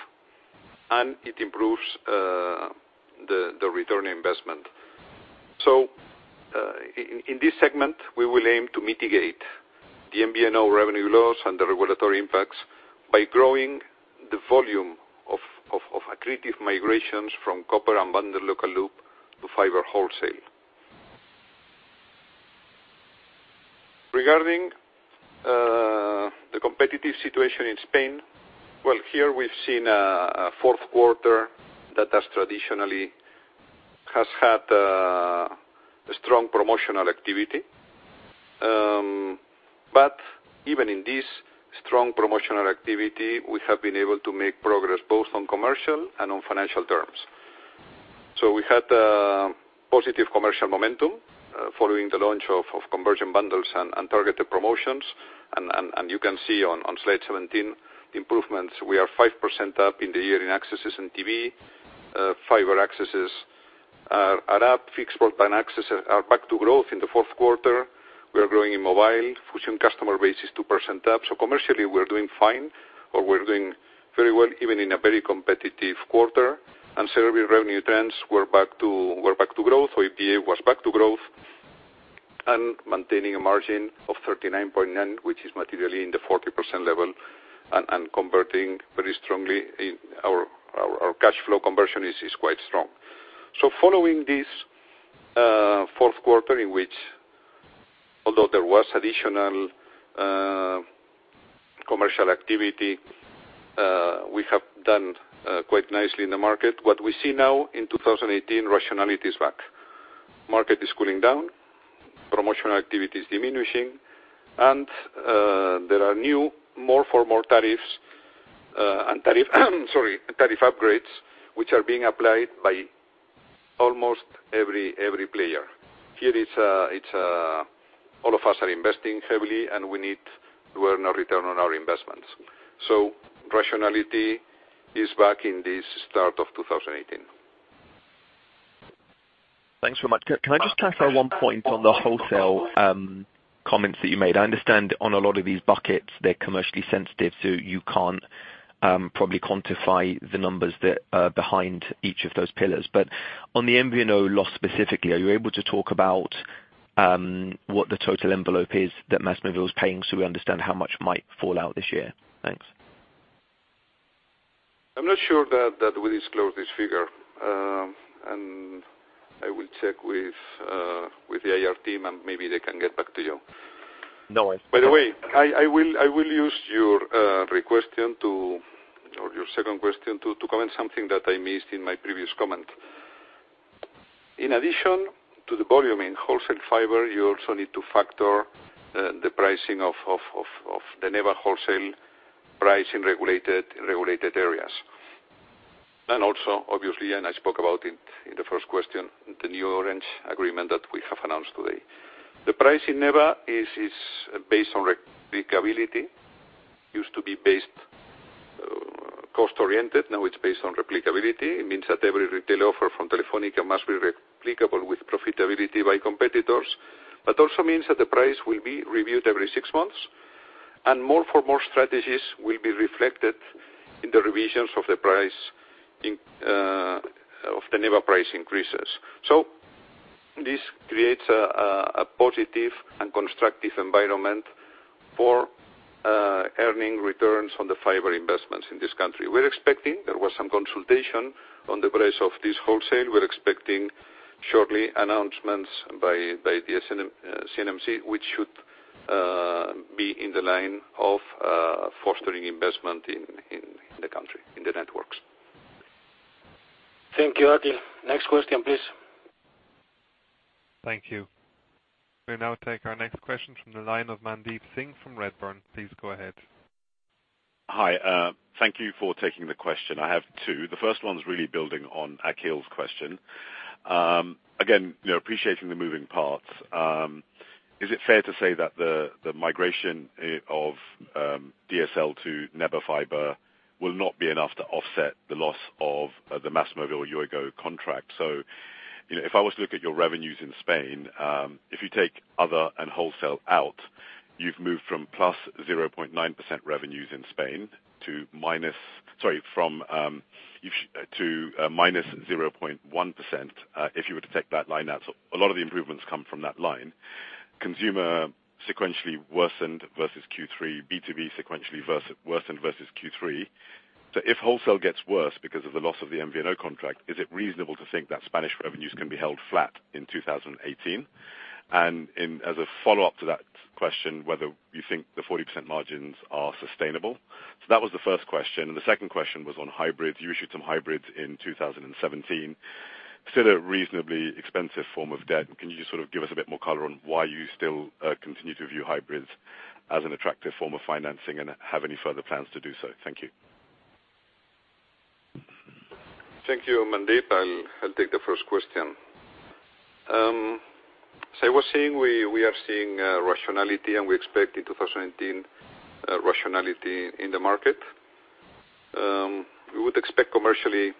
and it improves the return on investment. In this segment, we will aim to mitigate the MVNO revenue loss and the regulatory impacts by growing the volume of accretive migrations from copper unbundled local loop to fiber wholesale. Regarding the competitive situation in Spain, well, here we've seen a fourth quarter that traditionally has had a strong promotional activity. Even in this strong promotional activity, we have been able to make progress both on commercial and on financial terms. We had a positive commercial momentum following the launch of conversion bundles and targeted promotions. You can see on Slide 17, the improvements. We are 5% up in the year in accesses and TV. Fiber accesses are up. Fixed broadband accesses are back to growth in the fourth quarter. We are growing in mobile. Fusión customer base is 2% up. Commercially, we're doing fine, or we're doing very well, even in a very competitive quarter. Service revenue trends, we're back to growth. EBITDA was back to growth and maintaining a margin of 39.9%, which is materially in the 40% level and converting very strongly. Our cash flow conversion is quite strong. Following this fourth quarter in which although there was additional commercial activity, we have done quite nicely in the market. What we see now in 2018, rationality is back. Market is cooling down, promotional activity is diminishing, and there are new more for more tariffs and tariff upgrades, which are being applied by almost every player. Here, all of us are investing heavily, and we need to earn our return on our investments. Rationality is back in this start of 2018. Thanks very much. Can I just clarify one point on the wholesale comments that you made? I understand on a lot of these buckets, they're commercially sensitive, so you can't probably quantify the numbers that are behind each of those pillars. On the MVNO loss specifically, are you able to talk about what the total envelope is that MásMóvil is paying so we understand how much might fall out this year? Thanks. I'm not sure that we disclose this figure. I will check with the IR team, and maybe they can get back to you. No worries. By the way, I will use your request to, or your second question, to comment something that I missed in my previous comment. In addition to the volume in wholesale fiber, you also need to factor the pricing of the NEBA wholesale price in regulated areas. Also, obviously, and I spoke about it in the first question, the new Orange agreement that we have announced today. The price in NEBA is based on replicability. Used to be cost-oriented, now it's based on replicability. It means that every retail offer from Telefónica must be replicable with profitability by competitors, but also means that the price will be reviewed every six months, and more for more strategies will be reflected in the revisions of the NEBA price increases. This creates a positive and constructive environment for earning returns on the fiber investments in this country. We're expecting there was some consultation on the price of this wholesale. We're expecting shortly announcements by the CNMC, which should be in the line of fostering investment in the country, in the networks. Thank you, Akhil. Next question, please. Thank you. We'll now take our next question from the line of Mandeep Singh from Redburn. Please go ahead. Hi. Thank you for taking the question. I have two. The first one's really building on Akhil's question. Again, appreciating the moving parts, is it fair to say that the migration of DSL to NEBA fiber will not be enough to offset the loss of the MásMóvil Yoigo contract? If I was to look at your revenues in Spain, if you take other and wholesale out, you've moved from plus 0.9% revenues in Spain to Sorry, to minus 0.1%, if you were to take that line out. A lot of the improvements come from that line. Consumer sequentially worsened versus Q3, B2B sequentially worsened versus Q3. If wholesale gets worse because of the loss of the MVNO contract, is it reasonable to think that Spanish revenues can be held flat in 2018? As a follow-up to that question, whether you think the 40% margins are sustainable? That was the first question, and the second question was on hybrids. You issued some hybrids in 2017. Still a reasonably expensive form of debt. Can you just give us a bit more color on why you still continue to view hybrids as an attractive form of financing and have any further plans to do so? Thank you. Thank you, Mandeep. As I was saying, we are seeing rationality, and we expect in 2018 rationality in the market. We would expect commercially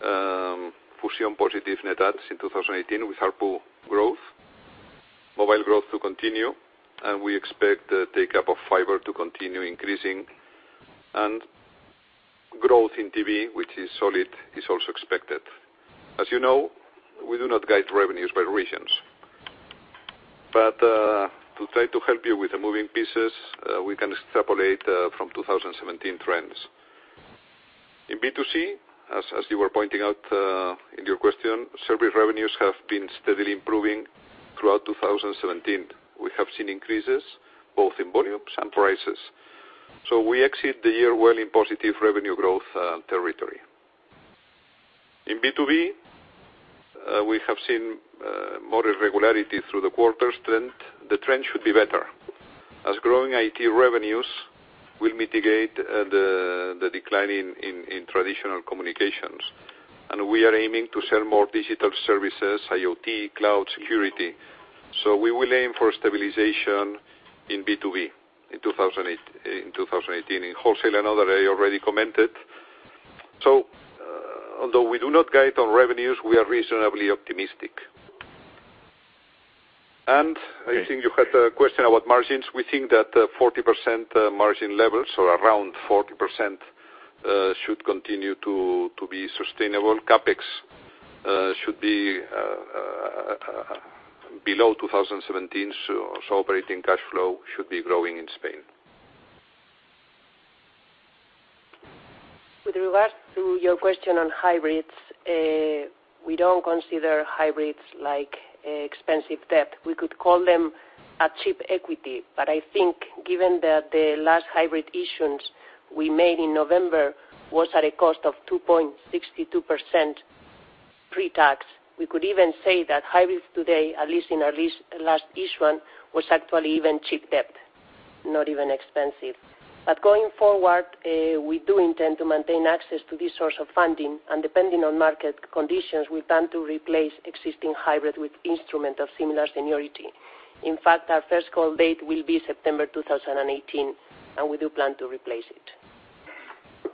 Fusión positive net adds in 2018 with ARPU growth, mobile growth to continue, and we expect the take-up of fiber to continue increasing. Growth in TV, which is solid, is also expected. As you know, we do not guide revenues by regions. To try to help you with the moving pieces, we can extrapolate from 2017 trends. In B2C, as you were pointing out in your question, service revenues have been steadily improving throughout 2017. We have seen increases both in volumes and prices. We exit the year well in positive revenue growth territory. In B2B, we have seen more irregularity through the quarter trend. The trend should be better, as growing IT revenues will mitigate the decline in traditional communications. We are aiming to sell more digital services, IoT, cloud security. We will aim for stabilization in B2B in 2018. In wholesale and other, I already commented. Although we do not guide on revenues, we are reasonably optimistic. I think you had a question about margins. We think that 40% margin levels or around 40% should continue to be sustainable. CapEx should be below 2017, operating cash flow should be growing in Spain. With regards to your question on hybrids, we don't consider hybrids like expensive debt. We could call them a cheap equity. I think given that the last hybrid issuance we made in November was at a cost of 2.62% pre-tax, we could even say that hybrids today, at least in our last issuance, was actually even cheap debt, not even expensive. Going forward, we do intend to maintain access to this source of funding, and depending on market conditions, we plan to replace existing hybrid with instrument of similar seniority. In fact, our first call date will be September 2018, and we do plan to replace it.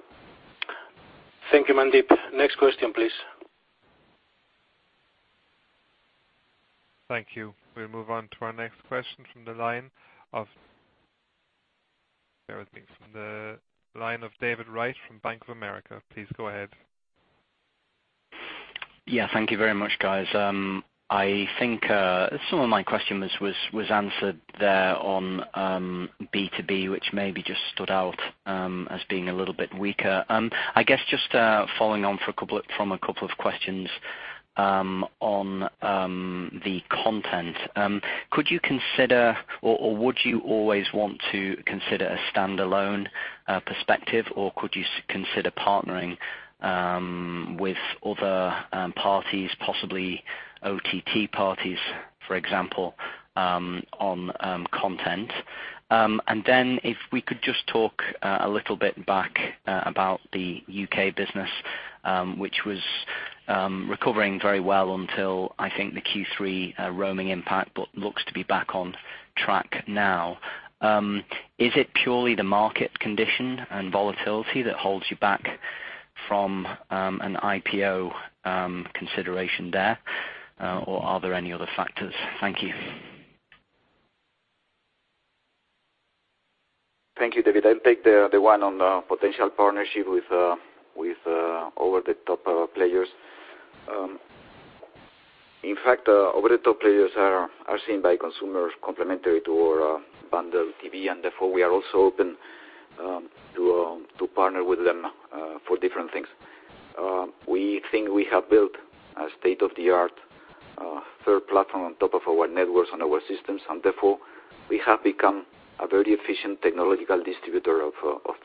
Thank you, Mandeep. Next question, please. Thank you. We'll move on to our next question from the line of David Wright from Bank of America. Please go ahead. Yeah, thank you very much, guys. I think some of my question was answered there on B2B, which maybe just stood out as being a little bit weaker. I guess just following on from a couple of questions on the content. Could you consider, or would you always want to consider a standalone perspective, or could you consider partnering with other parties, possibly OTT parties, for example, on content? Then if we could just talk a little bit back about the U.K. business, which was recovering very well until, I think, the Q3 roaming impact, but looks to be back on track now. Is it purely the market condition and volatility that holds you back from an IPO consideration there? Are there any other factors? Thank you. Thank you, David. I'll take the one on the potential partnership with over-the-top players. In fact, over-the-top players are seen by consumers complimentary to our bundle TV. Therefore, we are also open to partner with them for different things. We think we have built a state-of-the-art third platform on top of our networks and our systems. Therefore, we have become a very efficient technological distributor of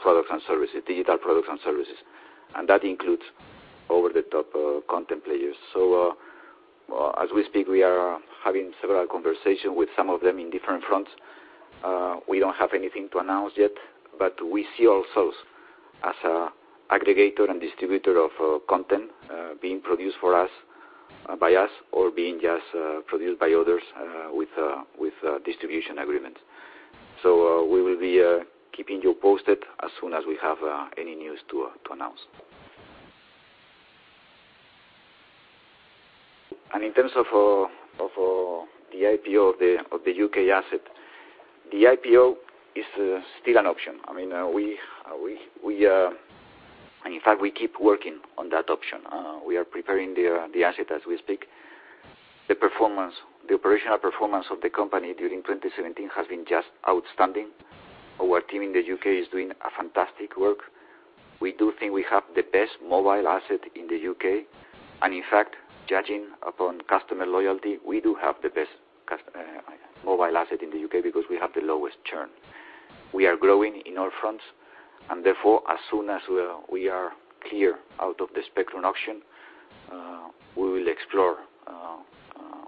products and services, digital products and services, and that includes over-the-top content players. As we speak, we are having several conversations with some of them in different fronts. We don't have anything to announce yet, we see ourselves as an aggregator and distributor of content being produced for us, by us, or being just produced by others with distribution agreements. We will be keeping you posted as soon as we have any news to announce. In terms of the IPO of the U.K. asset, the IPO is still an option. In fact, we keep working on that option. We are preparing the asset as we speak. The operational performance of the company during 2017 has been just outstanding. Our team in the U.K. is doing a fantastic work. We do think we have the best mobile asset in the U.K. In fact, judging upon customer loyalty, we do have the best mobile asset in the U.K. because we have the lowest churn. We are growing in all fronts. Therefore, as soon as we are clear out of the spectrum auction, we will explore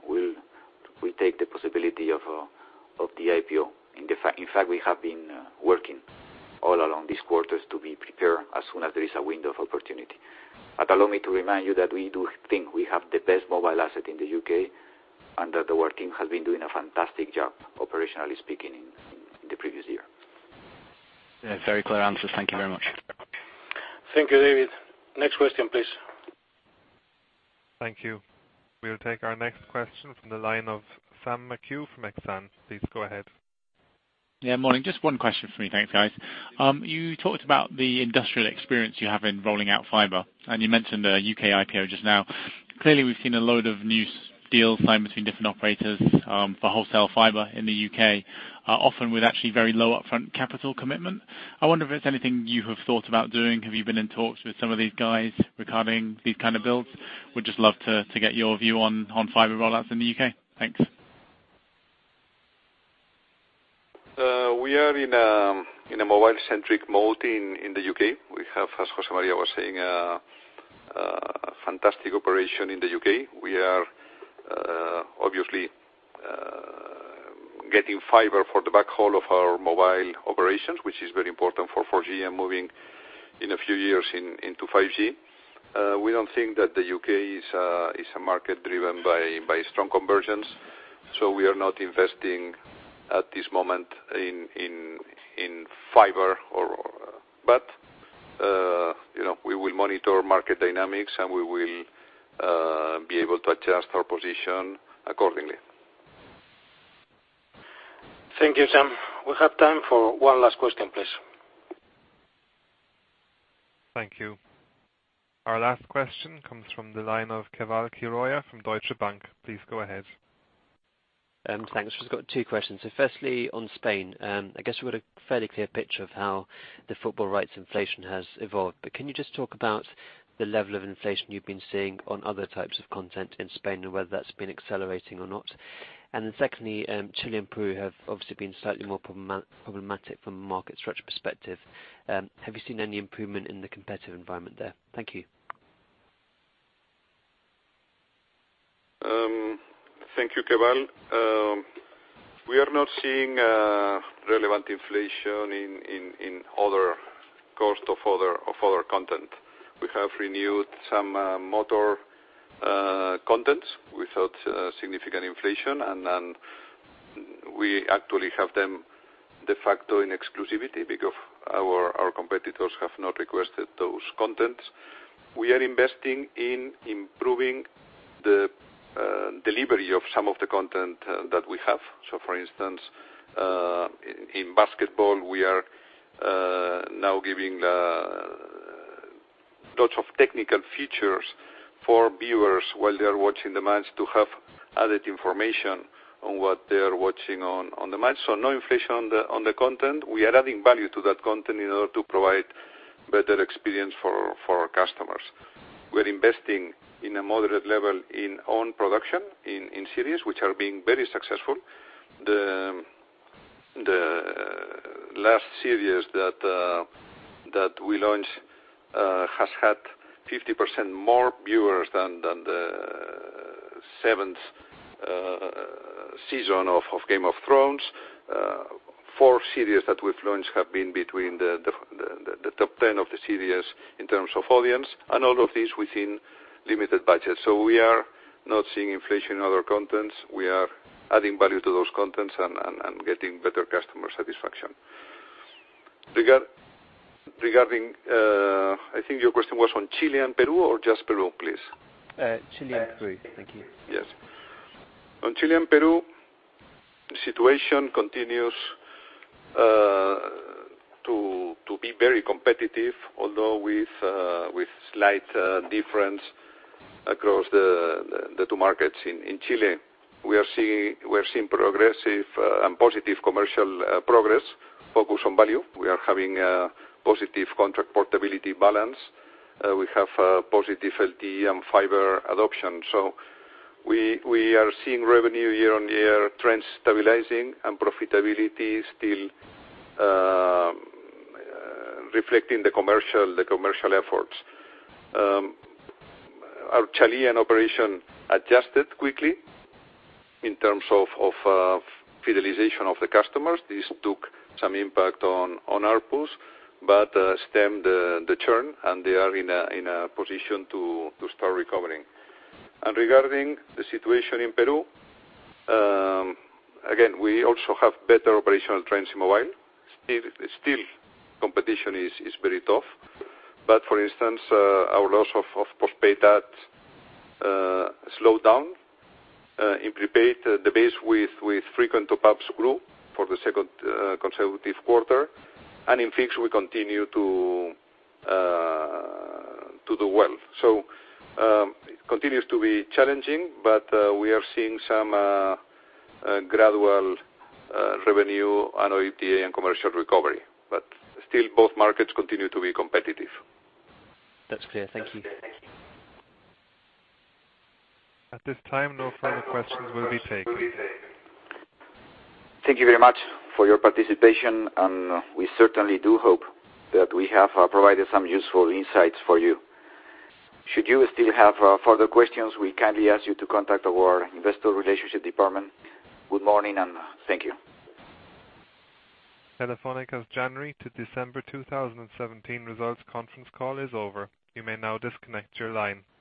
We'll take the possibility of the IPO. In fact, we have been working all along these quarters to be prepared as soon as there is a window of opportunity. Allow me to remind you that we do think we have the best mobile asset in the U.K., and that the working has been doing a fantastic job, operationally speaking, in the previous year. Very clear answers. Thank you very much. Thank you, David. Next question, please. Thank you. We'll take our next question from the line of Sam McHugh from Exane. Please go ahead. Morning. Just one question for me. Thanks, guys. You talked about the industrial experience you have in rolling out fiber, and you mentioned the U.K. IPO just now. Clearly, we've seen a load of new deals signed between different operators for wholesale fiber in the U.K., often with actually very low upfront capital commitment. I wonder if it's anything you have thought about doing. Have you been in talks with some of these guys regarding these kind of builds? Would just love to get your view on fiber rollouts in the U.K. Thanks. We are in a mobile-centric mode in the U.K. We have, as José María was saying, a fantastic operation in the U.K. We are obviously getting fiber for the backhaul of our mobile operations, which is very important for 4G and moving in a few years into 5G. We don't think that the U.K. is a market driven by strong conversions, so we are not investing at this moment in fiber. We will monitor market dynamics, and we will be able to adjust our position accordingly. Thank you, Sam. We have time for one last question, please. Thank you. Our last question comes from the line of Keval Khiroya from Deutsche Bank. Please go ahead. Thanks. Just got two questions. Firstly, on Spain, I guess we've got a fairly clear picture of how the football rights inflation has evolved. Can you just talk about the level of inflation you've been seeing on other types of content in Spain and whether that's been accelerating or not? Secondly, Chile and Peru have obviously been slightly more problematic from a market structure perspective. Have you seen any improvement in the competitive environment there? Thank you. Thank you, Keval Khiroya. We are not seeing relevant inflation in cost of other content. We have renewed some motor contents without significant inflation. We actually have them de facto in exclusivity because our competitors have not requested those contents. We are investing in improving the delivery of some of the content that we have. For instance, in basketball, we are now giving lots of technical features for viewers while they are watching the match to have added information on what they are watching on the match. No inflation on the content. We are adding value to that content in order to provide better experience for our customers. We're investing in a moderate level in own production in series, which are being very successful. The last series that we launched has had 50% more viewers than the seventh season of "Game of Thrones." Four series that we've launched have been between the top 10 of the series in terms of audience. All of these within limited budget. We are not seeing inflation in other contents. We are adding value to those contents and getting better customer satisfaction. Regarding, I think your question was on Chile and Peru or just Peru, please? Chile and Peru. Thank you. Yes. On Chile and Peru, the situation continues to be very competitive, although with slight difference across the two markets. In Chile, we are seeing progressive and positive commercial progress focused on value. We are having a positive contract portability balance. We have positive LTE and fiber adoption. We are seeing revenue year-on-year trend stabilizing and profitability still reflecting the commercial efforts. Our Chilean operation adjusted quickly in terms of fidelization of the customers. This took some impact on ARPU, but stemmed the churn, and they are in a position to start recovering. Regarding the situation in Peru, again, we also have better operational trends in mobile. Still, competition is very tough. For instance, our loss of postpaid ads slowed down. In prepaid, the base with frequent top-ups grew for the second consecutive quarter. In fixed, we continue to do well. It continues to be challenging, we are seeing some gradual revenue and OIBDA and commercial recovery. Still both markets continue to be competitive. That's clear. Thank you. At this time, no further questions will be taken. Thank you very much for your participation, and we certainly do hope that we have provided some useful insights for you. Should you still have further questions, we kindly ask you to contact our investor relationship department. Good morning, and thank you. Telefónica's January to December 2017 results conference call is over. You may now disconnect your line.